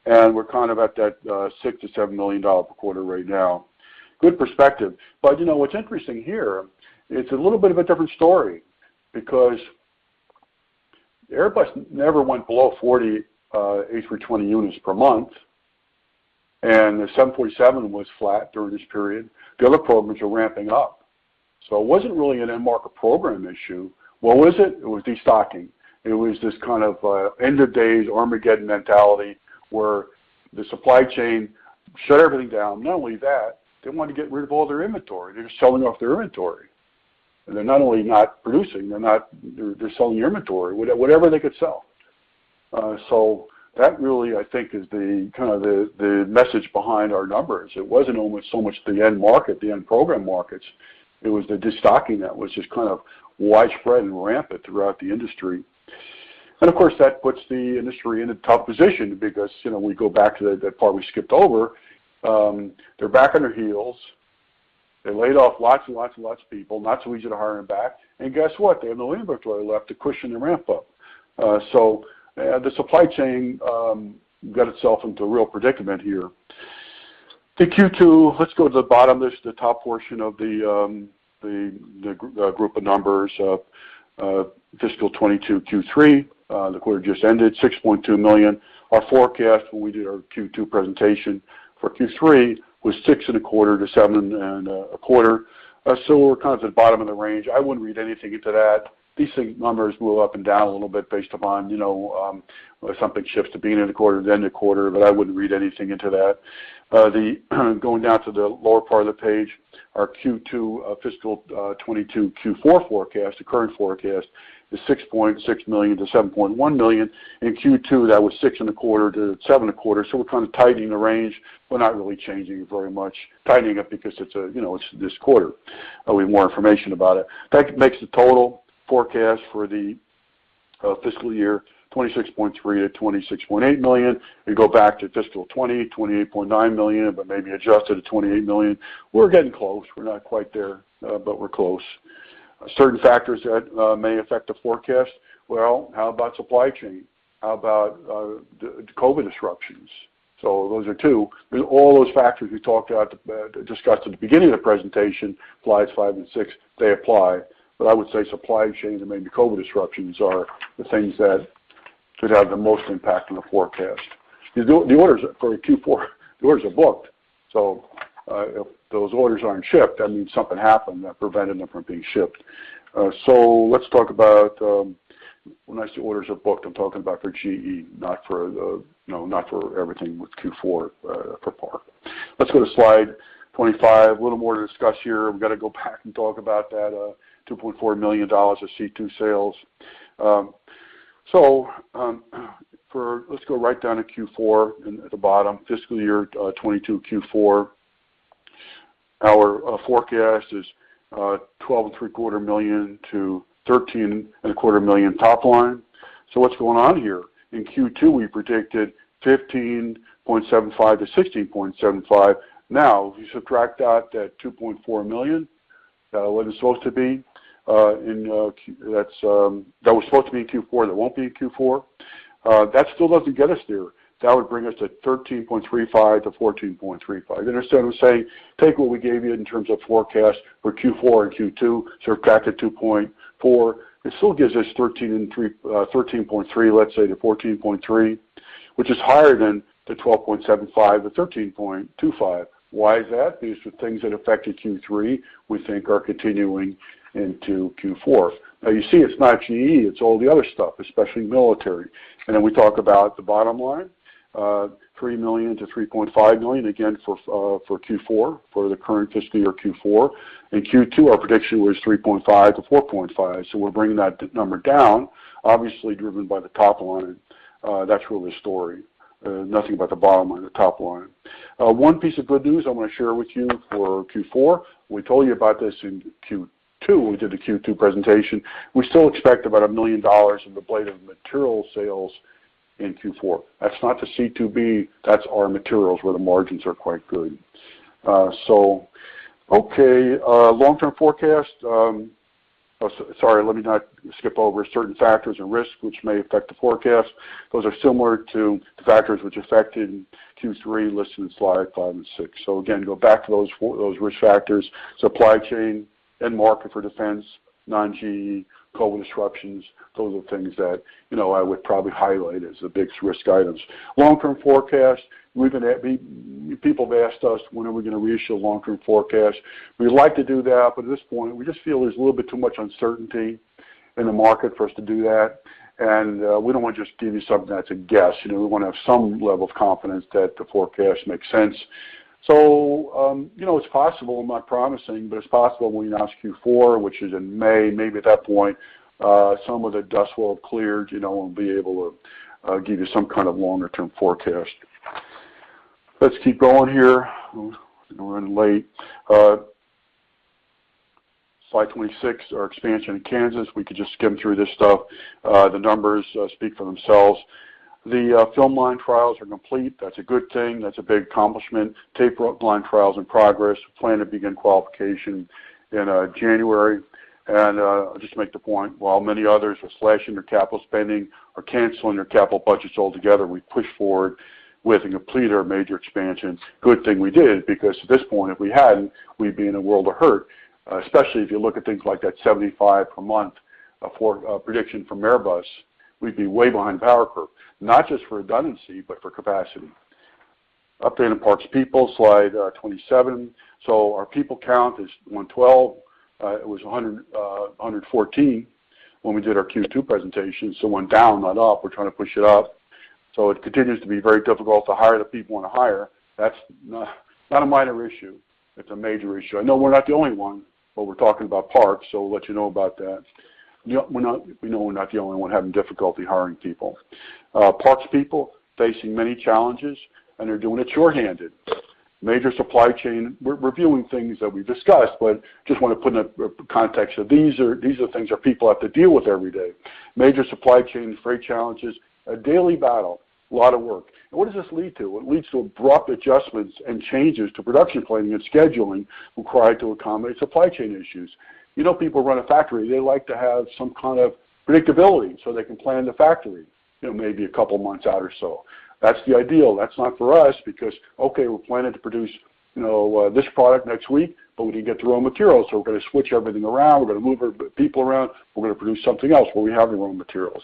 We're kind of at that $6 million-$7 million per quarter right now. Good perspective. You know what's interesting here, it's a little bit of a different story because Airbus never went below 40 A320 units per month, and the 747 was flat during this period. The other programs are ramping up, so it wasn't really an end market program issue. What was it? It was destocking. It was this kind of end-of-days Armageddon mentality where the supply chain shut everything down. Not only that, they wanted to get rid of all their inventory. They're just selling off their inventory. They're not only not producing, they're selling the inventory, whatever they could sell. That really, I think is the kind of message behind our numbers. It wasn't almost so much the end market, the end program markets, it was the destocking that was just kind of widespread and rampant throughout the industry. Of course, that puts the industry in a tough position because, you know, we go back to that part we skipped over, they're back on their heels. They laid off lots of people. Not so easy to hire them back. Guess what? They have no inventory left to cushion the ramp up. The supply chain got itself into a real predicament here. To Q2, let's go to the bottom. This is the top portion of the group of numbers of fiscal 2022, Q3. The quarter just ended, $6.2 million. Our forecast when we did our Q2 presentation for Q3 was $6.25 million-$7.25 million. We're kind of at the bottom of the range. I wouldn't read anything into that. These things, numbers move up and down a little bit based upon, you know, if something shifts to being in a quarter, then the quarter. But I wouldn't read anything into that. Going down to the lower part of the page, our Q2 fiscal 2022 Q4 forecast, the current forecast is $6.6 million-$7.1 million. In Q2, that was $6.25 million-$7.25 million. We're kind of tightening the range. We're not really changing very much, tightening it because it's a, you know, it's this quarter. We have more information about it. That makes the total forecast for the fiscal year 2026 $26.3 million-$26.8 million. We go back to fiscal 2020, $28.9 million, but maybe adjusted to $28 million. We're getting close. We're not quite there, but we're close. Certain factors that may affect the forecast. Well, how about supply chain? How about the COVID disruptions? Those are two. All those factors we talked about, discussed at the beginning of the presentation, slides 5 and 6, they apply. I would say supply chains and maybe COVID disruptions are the things that should have the most impact on the forecast. The orders for Q4 are booked. If those orders aren't shipped, that means something happened that prevented them from being shipped. Let's talk about when I say orders are booked, I'm talking about for GE, not for the, you know, not for everything with Q4, for power. Let's go to slide 25. A little more to discuss here. We've got to go back and talk about that $2.4 million of C2 sales. Let's go right down to Q4 and at the bottom, fiscal year 2022, Q4. Our forecast is $12.75 million-$13.25 million top line. What's going on here? In Q2, we predicted $15.75-$16.75. Now, if you subtract out that $2.4 million, what it's supposed to be in Q4, that won't be in Q4. That still doesn't get us there. That would bring us to 13.35-14.35. Instead of saying, take what we gave you in terms of forecast for Q4 and Q2, subtract the 2.4, it still gives us 13.3, let's say, to 14.3, which is higher than the 12.75-13.25. Why is that? These are things that affected Q3, we think are continuing into Q4. Now you see it's not GE, it's all the other stuff, especially military. We talk about the bottom line, $3 million-$3.5 million, again for Q4, for the current fiscal year, Q4. In Q2, our prediction was $3.5 million-$4.5 million. We're bringing that number down, obviously driven by the top line. That's really the story. Nothing about the bottom line, the top line. One piece of good news I want to share with you for Q4. We told you about this in Q2, when we did the Q2 presentation. We still expect about $1 million in ablative material sales in Q4. That's not the C2B, that's our materials, where the margins are quite good. Long-term forecast. Sorry, let me not skip over certain factors and risks which may affect the forecast. Those are similar to the factors which affected Q3 listed in slide 5 and 6. Again, go back to those risk factors, supply chain, end market for defense, non-GE, COVID disruptions. Those are things that, you know, I would probably highlight as the biggest risk items. Long-term forecast. People have asked us, when are we gonna reissue a long-term forecast? We'd like to do that, but at this point, we just feel there's a little bit too much uncertainty in the market for us to do that. We don't want to just give you something that's a guess. You know, we want to have some level of confidence that the forecast makes sense. You know, it's possible. I'm not promising, but it's possible when you ask Q4, which is in May, maybe at that point, some of the dust will have cleared, you know, and we'll be able to give you some kind of longer term forecast. Let's keep going here. We're running late. Slide 26, our expansion in Kansas. We could just skim through this stuff. The numbers speak for themselves. The film line trials are complete. That's a good thing. That's a big accomplishment. Tape line trials in progress. Plan to begin qualification in January. I'll just make the point, while many others are slashing their capital spending or cancelling their capital budgets altogether, we pushed forward with and completed our major expansion. Good thing we did, because at this point, if we hadn't, we'd be in a world of hurt, especially if you look at things like that 75% per month prediction from Airbus, we'd be way behind power curve, not just for redundancy, but for capacity. Update on Park's people, slide 27. Our people count is 112. It was 114 when we did our Q2 presentation. Went down, not up. We're trying to push it up. It continues to be very difficult to hire the people we wanna hire. That's not a minor issue. It's a major issue. I know we're not the only one, but we're talking about Park, so we'll let you know about that. You know, we know we're not the only one having difficulty hiring people. Park's people are facing many challenges, and they're doing it short-handed. Major supply chain. We're viewing things that we've discussed, but just wanna put in a context of these are things our people have to deal with every day. Major supply chain and freight challenges, a daily battle, a lot of work. What does this lead to? It leads to abrupt adjustments and changes to production planning and scheduling required to accommodate supply chain issues. You know, people who run a factory, they like to have some kind of predictability, so they can plan the factory, you know, maybe a couple of months out or so. That's the ideal. That's not for us because, okay, we're planning to produce, you know, this product next week, but we didn't get the raw materials, so we're gonna switch everything around. We're gonna move our people around. We're gonna produce something else where we have the raw materials.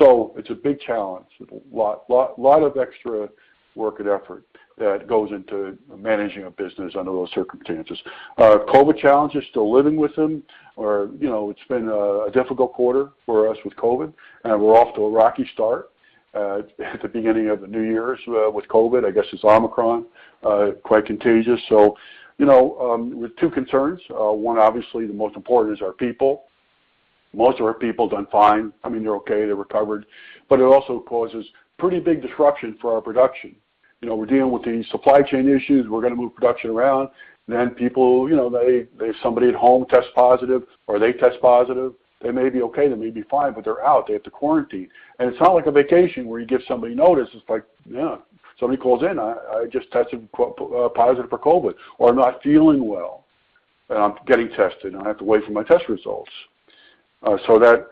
So it's a big challenge. Lot of extra work and effort that goes into managing a business under those circumstances. COVID challenges, still living with them or you know, it's been a difficult quarter for us with COVID, and we're off to a rocky start at the beginning of the new year with COVID. I guess it's Omicron, quite contagious. You know, with two concerns, one obviously the most important is our people. Most of our people done fine. I mean, they're okay, they recovered. It also causes pretty big disruption for our production. You know, we're dealing with these supply chain issues. We're gonna move production around. People, you know, somebody at home tests positive or they test positive, they may be okay, they may be fine, but they're out. They have to quarantine. It's not like a vacation where you give somebody notice. It's like, yeah, somebody calls in, "I just tested positive for COVID," or, "I'm not feeling well, and I'm getting tested, and I have to wait for my test results." That,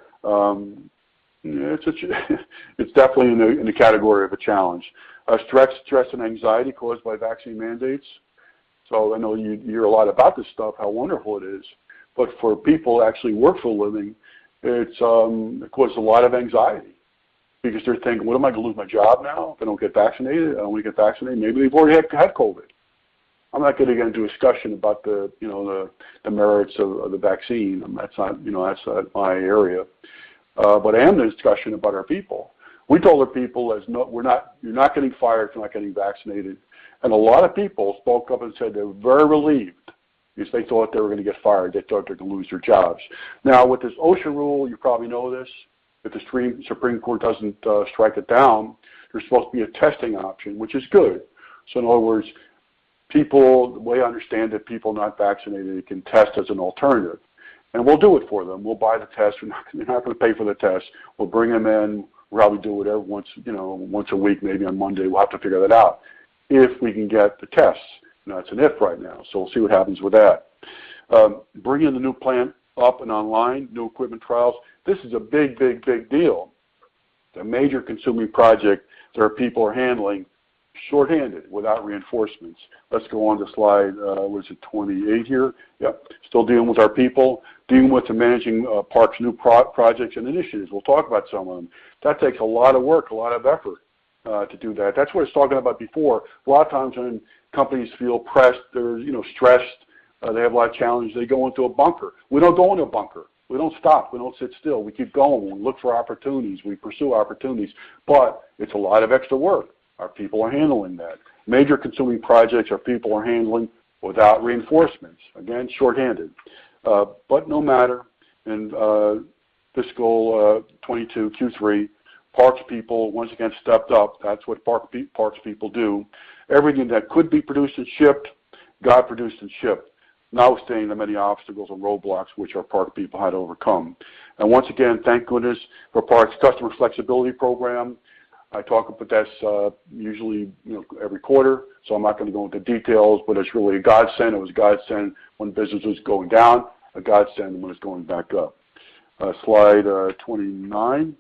it's definitely in a category of a challenge. Stress and anxiety caused by vaccine mandates. I know you hear a lot about this stuff, how wonderful it is, but for people who actually work for a living, it causes a lot of anxiety because they're thinking, "What, am I gonna lose my job now if I don't get vaccinated? I wanna get vaccinated." Maybe they've already had COVID. I'm not gonna get into a discussion about the merits of the vaccine. That's not my area. I am in a discussion about our people. We told our people, no, you're not getting fired for not getting vaccinated. A lot of people spoke up and said they were very relieved because they thought they were gonna get fired. They thought they were gonna lose their jobs. Now, with this OSHA rule, you probably know this, if the Supreme Court doesn't strike it down, there's supposed to be a testing option, which is good. In other words, people the way I understand it, people not vaccinated can test as an alternative. We'll do it for them. We'll buy the test. We're not gonna pay for the test. We'll bring them in. We'll probably do it once, you know, once a week, maybe on Monday. We'll have to figure that out, if we can get the tests. You know, it's an if right now, so we'll see what happens with that. Bringing the new plant up and online, new equipment trials, this is a big, big, big deal. The major consuming project that our people are handling short-handed without reinforcements. Let's go on to slide what is it? 28 here. Still dealing with our people, dealing with the managing, Park's new projects and initiatives. We'll talk about some of them. That takes a lot of work, a lot of effort, to do that. That's what I was talking about before. A lot of times when companies feel pressed, they're, you know, stressed, they have a lot of challenges, they go into a bunker. We don't go in a bunker. We don't stop. We don't sit still. We keep going. We look for opportunities. We pursue opportunities. It's a lot of extra work. Our people are handling that. Major consuming projects our people are handling without reinforcements. Again, short-handed. No matter, in fiscal 2022 Q3, Park's people once again stepped up. That's what Park's people do. Everything that could be produced and shipped, got produced and shipped, notwithstanding the many obstacles and roadblocks which our Park people had to overcome. Once again, thank goodness for Park's customer flexibility program. I talk about this, usually, you know, every quarter, so I'm not gonna go into details, but it's really a godsend. It was a godsend when business was going down, a godsend when it's going back up. Slide 29.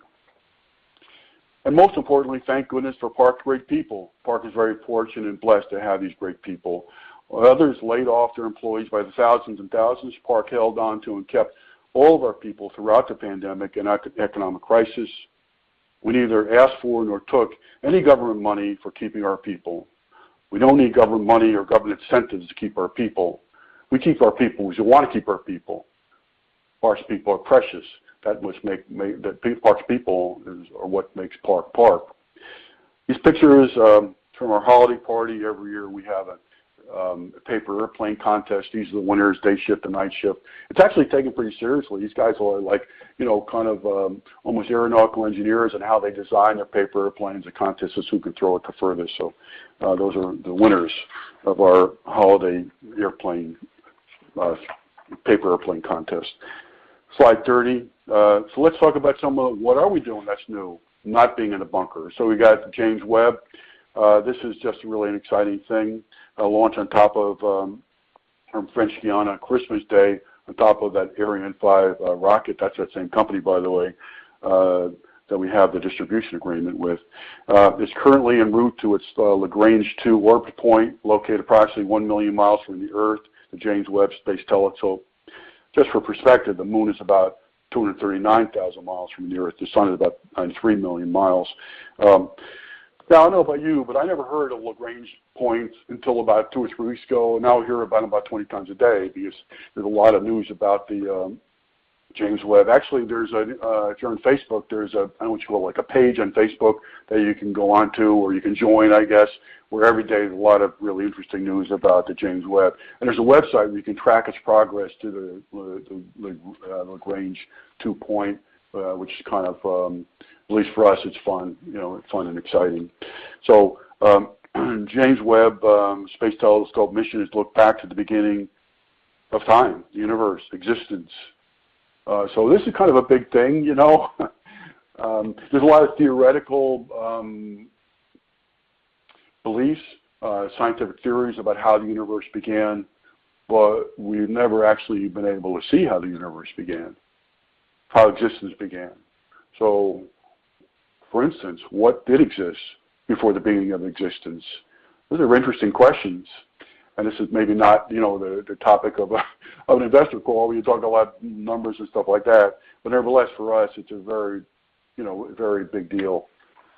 Most importantly, thank goodness for Park's great people. Park is very fortunate and blessed to have these great people. While others laid off their employees by the thousands and thousands, Park held on to and kept all of our people throughout the pandemic and economic crisis. We neither asked for nor took any government money for keeping our people. We don't need government money or government incentives to keep our people. We keep our people because we wanna keep our people. Park's people are precious. Park's people are what makes Park Park. These pictures is from our holiday party. Every year, we have a paper air plane contest. These are the winners, day shift and night shift. It's actually taken pretty seriously. These guys are like, you know, kind of, almost aeronautical engineers in how they design their paper air planes. The contest is who can throw it the furthest. Those are the winners of our holiday paper air plane contest. Slide 30. Let's talk about some of what are we doing that's new, not being in a bunker. We got the James Webb. This is just really an exciting thing, launched from French Guiana Christmas Day, on top of that Ariane 5 rocket. That's that same company, by the way, that we have the distribution agreement with. It's currently en route to its Lagrange point 2 orbit point, located approximately 1 million miles from the Earth, the James Webb Space Telescope. Just for perspective, the Moon is about 239,000 miles from the Earth. The Sun is about 93 million miles. Now I don't know about you, but I never heard of Lagrange points until about 2 or 3 weeks ago, and now I hear about them about 20 times a day because there's a lot of news about the James Webb. Actually, if you're on Facebook, there's a—I don't know what you call it, like, a page on Facebook that you can go on to, or you can join, I guess, where every day there's a lot of really interesting news about the James Webb. There's a website where you can track its progress to the Lagrange point 2, which is kind of, at least for us, it's fun. You know, it's fun and exciting. James Webb Space Telescope mission is to look back to the beginning of time, the universe, existence. This is kind of a big thing, you know. There's a lot of theoretical beliefs, scientific theories about how the universe began, but we've never actually been able to see how the universe began, how existence began. For instance, what did exist before the beginning of existence? Those are interesting questions, and this is maybe not the topic of an investor call. We can talk about numbers and stuff like that. Nevertheless, for us, it's a very big deal,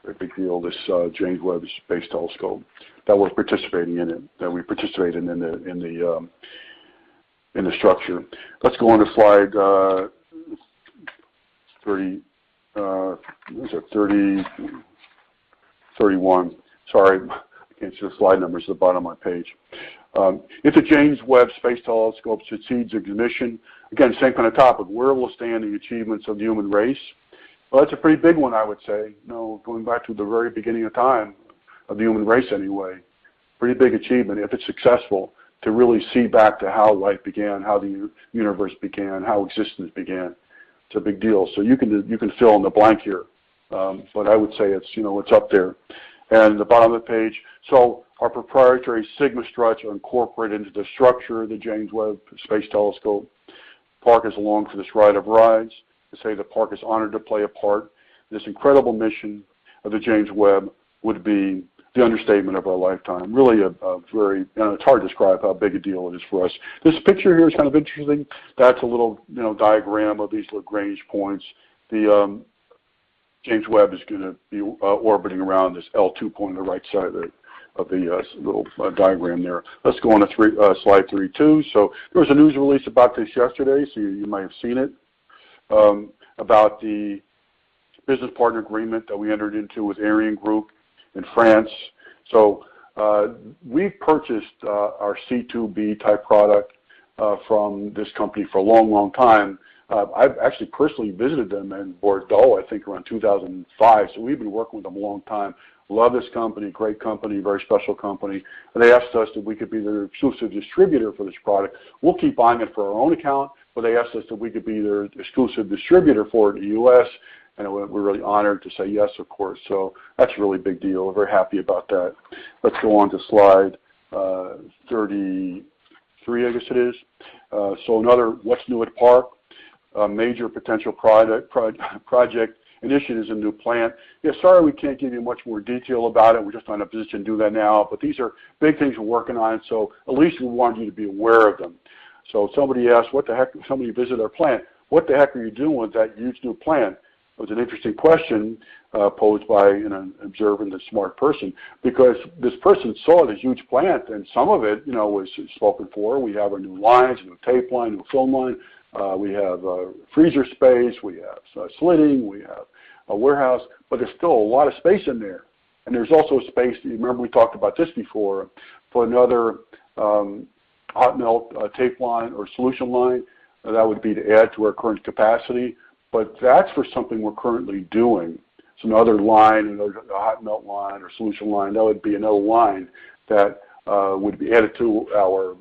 this James Webb Space Telescope, that we participate in the structure. Let's go on to slide what is it? 31. Sorry. I can't see the slide numbers at the bottom of my page. If the James Webb Space Telescope succeeds in its mission, again, same kind of topic, where will it stand in the achievements of the human race? Well, that's a pretty big one, I would say. You know, going back to the very beginning of time, of the human race anyway, pretty big achievement if it's successful to really see back to how life began, how the universe began, how existence began. It's a big deal. You can fill in the blank here. But I would say it's, you know, it's up there. The bottom of the page. Our proprietary Sigma Strut are incorporated into the structure of the James Webb Space Telescope. Park is along for this ride of rides. To say that Park is honoured to play a part in this incredible mission of the James Webb would be the understatement of a lifetime. Really, a very. You know, it's hard to describe how big a deal it is for us. This picture here is kind of interesting. That's a little, you know, diagram of these Lagrange points. The James Webb is gonna be orbiting around this L2 point on the right side of the little diagram there. Let's go on to slide 32. There was a news release about this yesterday, so you might have seen it about the business partner agreement that we entered into with ArianeGroup in France. We've purchased our C2B type product from this company for a long time. I've actually personally visited them in Bordeaux, I think around 2005. We've been working with them a long time. Love this company, great company, very special company. They asked us if we could be their exclusive distributor for this product. We'll keep buying it for our own account, but they asked us if we could be their exclusive distributor for it in the U.S., and we're really honoured to say yes, of course. That's a really big deal. We're very happy about that. Let's go on to slide 33, I guess it is. Another what's new at Park. A major potential project initiative is a new plant. Yeah, sorry, we can't give you much more detail about it. We're just not in a position to do that now, but these are big things we're working on, so at least we want you to be aware of them. Somebody asked, what the heck. Somebody who visited our plant, "What the heck are you doing with that huge new plant?" It was an interesting question posed by an observant and smart person because this person saw the huge plant and some of it, you know, as we've spoken before. We have our new lines, new tape line, new film line. We have freezer space. We have slitting. We have a warehouse. There's still a lot of space in there. There's also a space, remember we talked about this before, for another hot melt tape line or solution line. That would be to add to our current capacity. But that's for something we're currently doing. Some other line, you know, a hot melt line or solution line, that would be another line that would be added to our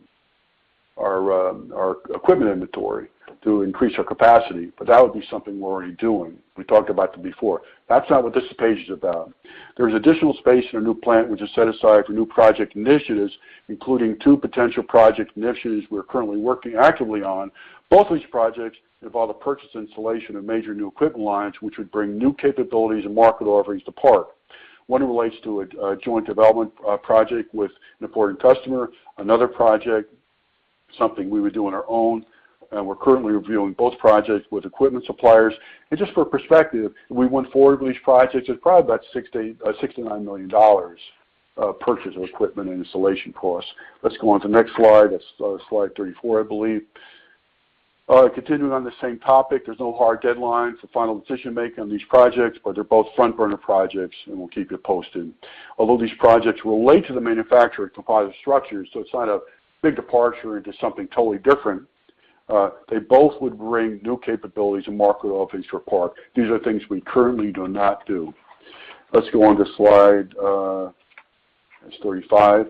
equipment inventory to increase our capacity. That would be something we're already doing. We talked about that before. That's not what this page is about. There's additional space in our new plant which is set aside for new project initiatives, including two potential project initiatives we're currently working actively on. Both these projects involve the purchase and installation of major new equipment lines, which would bring new capabilities and market offerings to Park. One relates to a joint development project with an important customer. Another project, something we would do on our own. We're currently reviewing both projects with equipment suppliers. Just for perspective, if we went forward with these projects, it's probably about $69 million of purchase of equipment and installation costs. Let's go on to the next slide. That's slide 34, I believe. Continuing on the same topic. There's no hard deadlines for final decision-making on these projects, but they're both front-burner projects, and we'll keep you posted. Although these projects relate to the manufacturing composite structures, so it's not a big departure into something totally different, they both would bring new capabilities and market offerings for Park. These are things we currently do not do. Let's go on to slide 35.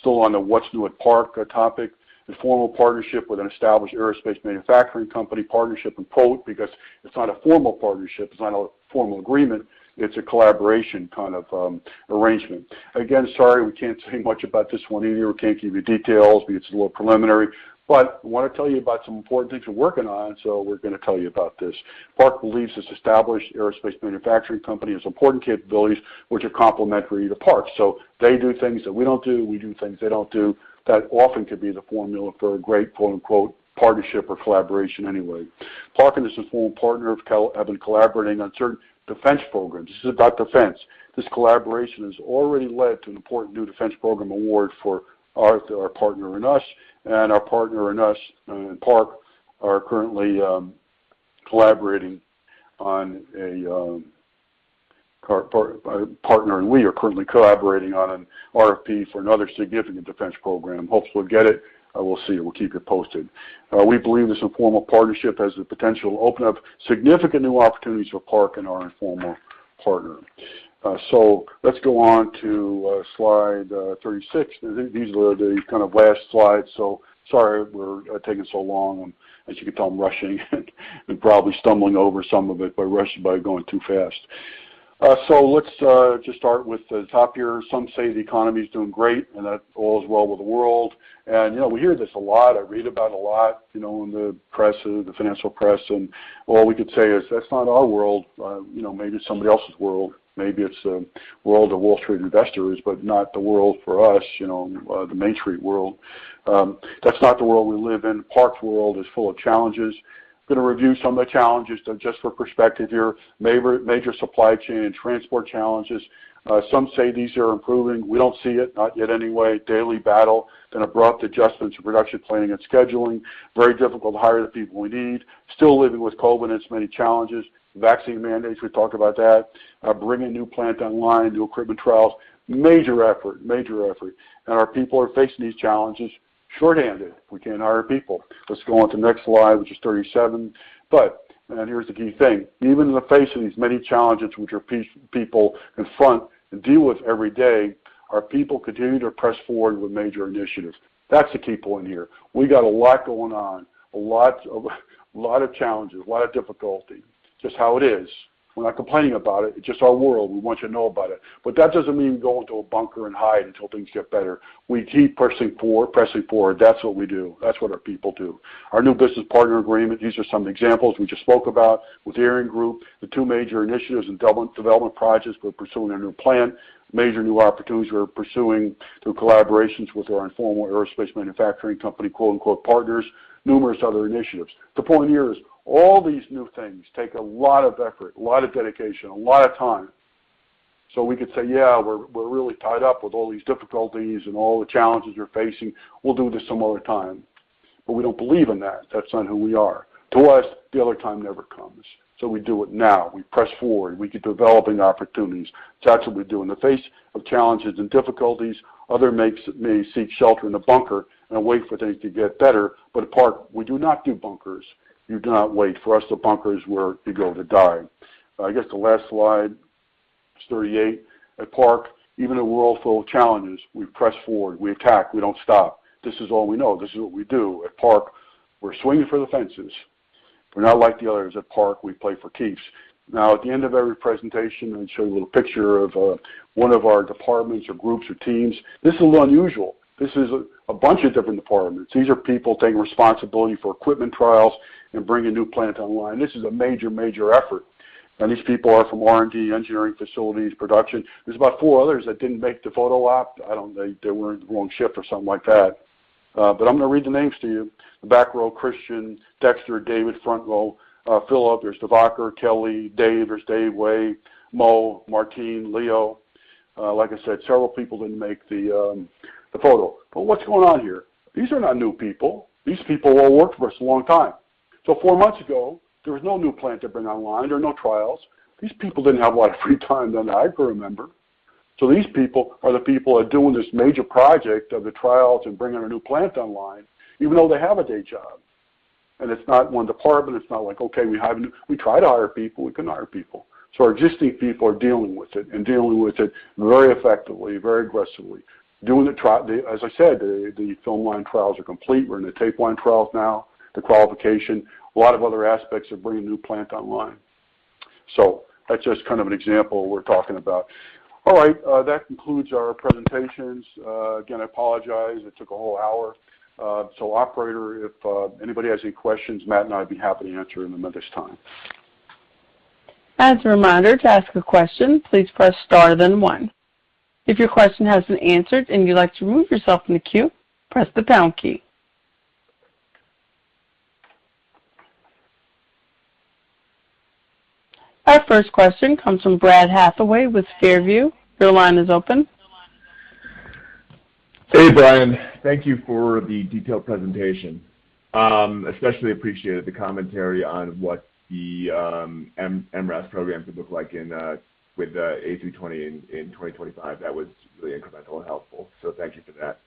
Still on the what's new at Park topic. The formal partnership with an established aerospace manufacturing company. Partnership in quotes because it's not a formal partnership. It's not a formal agreement. It's a collaboration kind of arrangement. Again, sorry, we can't say much about this one either. We can't give you details, but it's a little preliminary. We wanna tell you about some important things we're working on, so we're gonna tell you about this. Park believes this established aerospace manufacturing company has important capabilities which are complementary to Park. They do things that we don't do, we do things they don't do. That often could be the formula for a great quote unquote "partnership or collaboration" anyway. Park and this informal partner have been collaborating on certain defense programs. This is about defense. This collaboration has already led to an important new defense program award for our partner and us, and our partner and we are currently collaborating on an RFP for another significant defense program. Hope we'll get it. We'll see. We'll keep you posted. We believe this informal partnership has the potential to open up significant new opportunities for Park and our informal partner. Let's go on to slide 36. These are the kind of last slides, so sorry we're taking so long, and as you can tell I'm rushing and probably stumbling over some of it by rushing, by going too fast. Let's just start with the top here. Some say the economy's doing great, and that all is well with the world. You know, we hear this a lot, I read about a lot, you know, in the press, the financial press, and all we can say is that's not our world. You know, maybe somebody else's world. Maybe it's the world of Wall Street investors, but not the world for us, you know, the Main Street world. That's not the world we live in. Park's world is full of challenges. Gonna review some of the challenges just for perspective here. Nevertheless, major supply chain and transport challenges. Some say these are improving. We don't see it, not yet anyway. Daily battle and abrupt adjustments to production planning and scheduling. Very difficult to hire the people we need. Still living with COVID and its many challenges. Vaccine mandates, we talked about that. Bringing new plant online, new equipment trials, major effort. Our people are facing these challenges shorthanded. We can't hire people. Let's go on to the next slide, which is 37. Here's the key thing, even in the face of these many challenges which our people confront and deal with every day, our people continue to press forward with major initiatives. That's the key point here. We got a lot going on, a lot of challenges, a lot of difficulty. Just how it is. We're not complaining about it. It's just our world. We want you to know about it. That doesn't mean go into a bunker and hide until things get better. We keep pressing forward, pressing forward. That's what we do. That's what our people do. Our new business partner agreement, these are some examples we just spoke about with ArianeGroup. The two major initiatives and development projects, we're pursuing a new plant. Major new opportunities we're pursuing through collaborations with our informal aerospace manufacturing company, quote-unquote, partners, numerous other initiatives. The point here is all these new things take a lot of effort, a lot of dedication, a lot of time. We could say, yeah, we're really tied up with all these difficulties and all the challenges we're facing. We'll do this some other time. We don't believe in that. That's not who we are. To us, the other time never comes. We do it now. We press forward. We keep developing opportunities. That's what we do in the face of challenges and difficulties. Other mates may seek shelter in a bunker and wait for things to get better. At Park, we do not do bunkers. We do not wait. For us, the bunker is where you go to die. I guess the last slide, it's 38. At Park, even in a world full of challenges, we press forward, we attack, we don't stop. This is all we know. This is what we do. At Park, we're swinging for the fences. We're not like the others. At Park, we play for keeps. Now, at the end of every presentation, we show you a little picture of one of our departments or groups or teams. This is a little unusual. This is a bunch of different departments. These are people taking responsibility for equipment trials and bringing new plant online. This is a major effort. These people are from R&D, engineering, facilities, production. There's about four others that didn't make the photo op. They were in the wrong shift or something like that. I'm gonna read the names to you. The back row, Christian, Dexter, David. Front row, Philip. There's Devakar, Kelly, Dave. There's Dave, Wade, Mo, Martine, Leo. Like I said, several people didn't make the photo. What's going on here? These are not new people. These people all worked for us a long time. Four months ago, there was no new plant to bring online. There were no trials. These people didn't have a lot of free time than I can remember. These people are the people that are doing this major project of the trials and bringing our new plant online, even though they have a day job. It's not one department. It's not like, okay, we tried to hire people. We couldn't hire people. Our existing people are dealing with it and dealing with it very effectively, very aggressively. Doing the trial. As I said, the film line trials are complete. We're in the tape line trials now, the qualification. A lot of other aspects of bringing a new plant online. That's just kind of an example we're talking about. All right. That concludes our presentations. Again, I apologize. It took a whole hour. Operator, if anybody has any questions, Matt and I'd be happy to answer them at this time. Our first question comes from Brad Hathaway with Far View. Your line is open. Hey, Brian. Thank you for the detailed presentation. Especially appreciated the commentary on what the MRAS programs would look like with the A320 in 2025. That was really incremental and helpful, so thank you for that.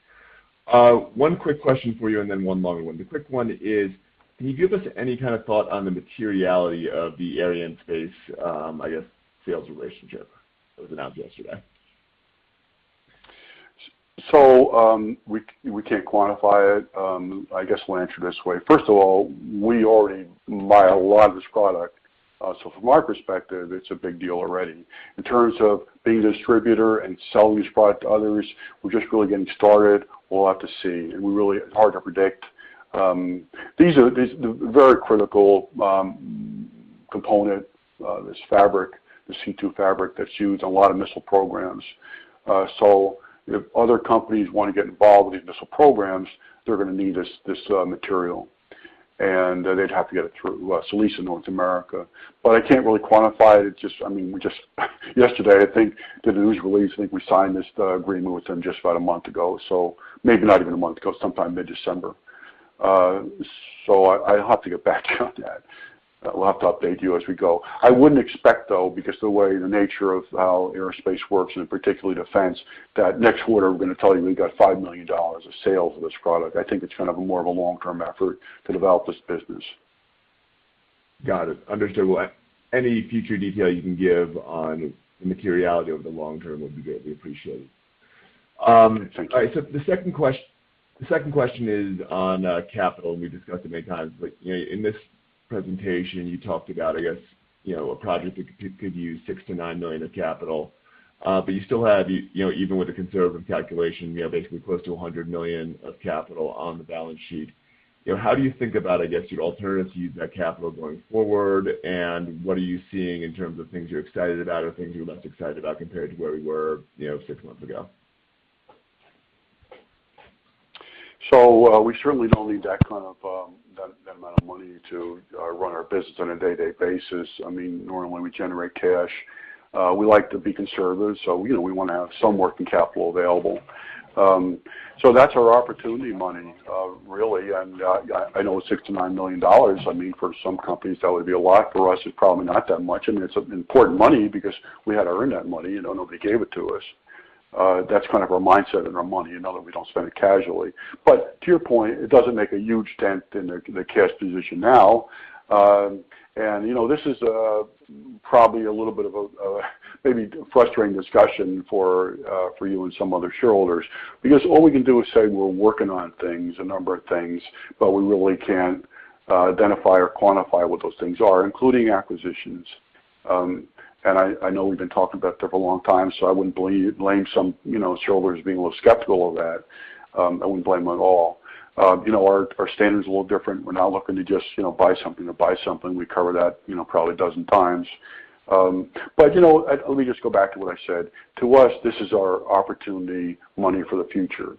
One quick question for you and then one longer one. The quick one is, can you give us any kind of thought on the materiality of the Ariane space sales relationship that was announced yesterday? We can't quantify it. I guess we'll answer this way. First of all, we already buy a lot of this product. From my perspective, it's a big deal already. In terms of being a distributor and selling this product to others, we're just really getting started. We'll have to see. It's hard to predict. These are the very critical component, this fabric, the C2 fabric that's used in a lot of missile programs. If other companies wanna get involved with these missile programs, they're gonna need this material. They'd have to get it through us, sole source in North America. I can't really quantify it. I mean, yesterday I think the news release, I think we signed this agreement with them just about a month ago. Maybe not even a month ago, sometime mid-December. I'll have to get back on that. We'll have to update you as we go. I wouldn't expect, though, because the way the nature of how aerospace works, and particularly defense, that next quarter we're gonna tell you we've got $5 million of sales of this product. I think it's kind of more of a long-term effort to develop this business. Got it. Understand. Well, any future detail you can give on the materiality over the long term would be greatly appreciated. All right, so the second question is on capital, and we've discussed it many times, but you know, in this presentation, you talked about, I guess, you know, a project that could use $6 million-$9 million of capital. But you still have, you know, even with the conservative calculation, you have basically close to $100 million of capital on the balance sheet. You know, how do you think about, I guess, your alternatives to use that capital going forward? What are you seeing in terms of things you're excited about or things you're less excited about compared to where we were, you know, six months ago? We certainly don't need that kind of amount of money to run our business on a day-to-day basis. I mean, normally we generate cash. We like to be conservative, so, you know, we wanna have some working capital available. That's our opportunity money, really, and I know $6 million-$9 million, I mean, for some companies, that would be a lot. For us, it's probably not that much. I mean, it's important money because we had to earn that money. You know, nobody gave it to us. That's kind of our mindset in our money, you know, that we don't spend it casually. To your point, it doesn't make a huge dent in the cash position now. You know, this is probably a little bit of a maybe frustrating discussion for you and some other shareholders because all we can do is say we're working on things, a number of things, but we really can't identify or quantify what those things are, including acquisitions. I know we've been talking about that for a long time, so I wouldn't blame some, you know, shareholders being a little skeptical of that. I wouldn't blame them at all. You know, our standard's a little different. We're not looking to just, you know, buy something to buy something. We covered that, you know, probably a dozen times. You know, let me just go back to what I said. To us, this is our opportunity money for the future.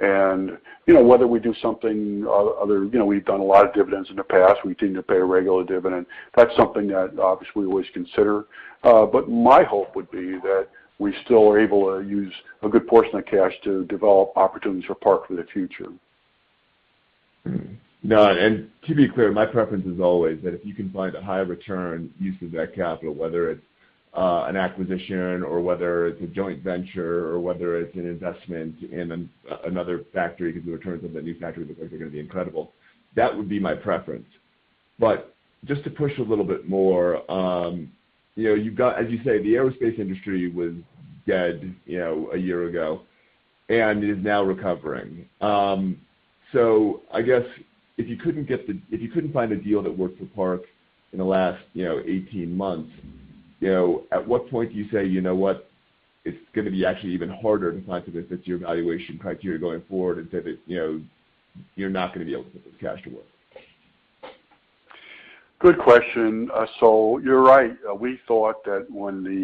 You know, whether we do something other, you know, we've done a lot of dividends in the past. We continue to pay a regular dividend. That's something that, obviously, we always consider. My hope would be that we still are able to use a good portion of cash to develop opportunities for Park for the future. No, to be clear, my preference is always that if you can find a high return use of that capital, whether it's an acquisition or whether it's a joint venture or whether it's an investment in another factory because the returns of that new factory looks like they're gonna be incredible, that would be my preference. Just to push a little bit more, you know, you've got. As you say, the aerospace industry was dead, you know, a year ago and is now recovering. I guess if you couldn't find a deal that worked for Park in the last, you know, 18 months, you know, at what point do you say, "You know what? It's gonna be actually even harder to find something that fits your valuation criteria going forward," and say that, you know, you're not gonna be able to put the cash to work? Good question. You're right. We thought that when the,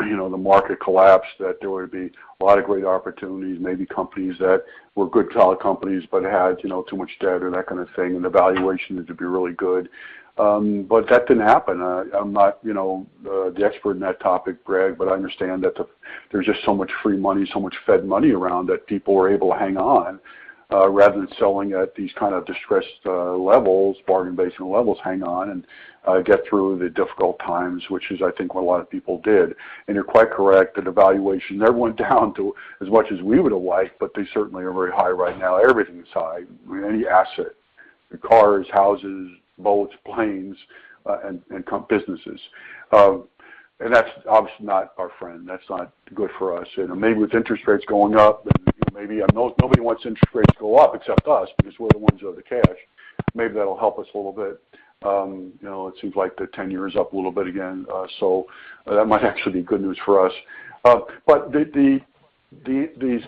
you know, the market collapsed, that there would be a lot of great opportunities, maybe companies that were good solid companies, but had, you know, too much debt or that kind of thing, and the valuation would be really good. That didn't happen. I'm not, you know, the expert in that topic, Brad, but I understand that there's just so much free money, so much Fed money around that people were able to hang on, rather than selling at these kind of distressed levels, bargain basement levels, hang on, and get through the difficult times, which is I think what a lot of people did. You're quite correct that the valuation never went down to as much as we would have liked, but they certainly are very high right now. Everything's high, any asset. The cars, houses, boats, planes, and businesses. And that's obviously not our friend. That's not good for us. You know, maybe with interest rates going up, then maybe I know nobody wants interest rates to go up except us because we're the ones who have the cash. Maybe that'll help us a little bit. You know, it seems like the 10-year is up a little bit again, so that might actually be good news for us. But the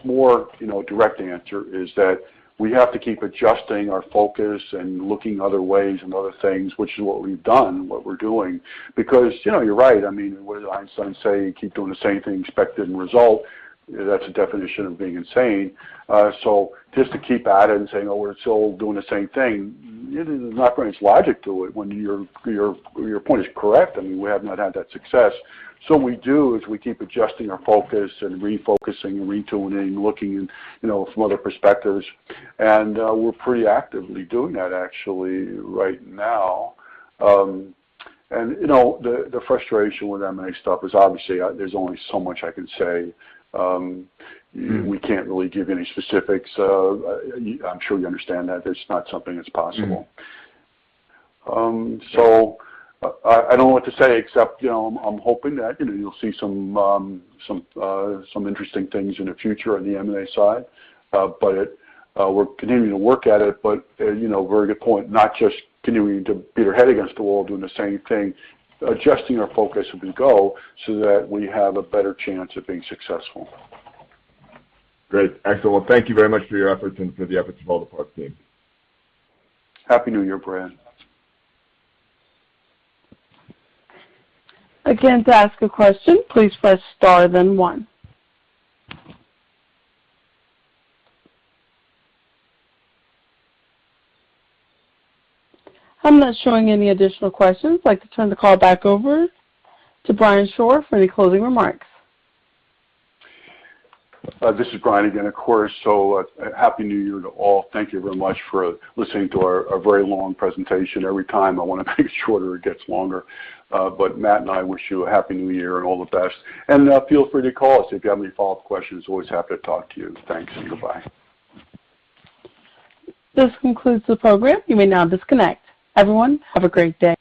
more direct answer is that we have to keep adjusting our focus and looking other ways and other things, which is what we've done, what we're doing. Because, you know, you're right. I mean, what did Einstein say? Keep doing the same thing, expect different result. That's the definition of being insane. Just to keep at it and saying, "Oh, we're still doing the same thing," there's not very much logic to it when your point is correct. I mean, we have not had that success. What we do is we keep adjusting our focus and refocusing, retuning, looking, you know, from other perspectives. We're pretty actively doing that actually right now. You know, the frustration with M&A stuff is obviously, there's only so much I can say. We can't really give any specifics. I'm sure you understand that. That's not something that's possible. I don't know what to say except, you know, I'm hoping that, you know, you'll see some interesting things in the future on the M&A side. We're continuing to work at it. You know, very good point, not just continuing to beat our head against the wall doing the same thing, adjusting our focus as we go so that we have a better chance of being successful. Great. Excellent. Thank you very much for your efforts and for the efforts of all the Park team. Happy New Year, Greg. Again, to ask a question, please press star then one. I'm not showing any additional questions. I'd like to turn the call back over to Brian Shore for any closing remarks. This is Brian again, of course. Happy New Year to all. Thank you very much for listening to our very long presentation. Every time I wanna make it shorter, it gets longer. Matt and I wish you a happy New Year and all the best. Feel free to call us if you have any follow-up questions. Always happy to talk to you. Thanks, and goodbye. This concludes the program. You may now disconnect. Everyone, have a great day.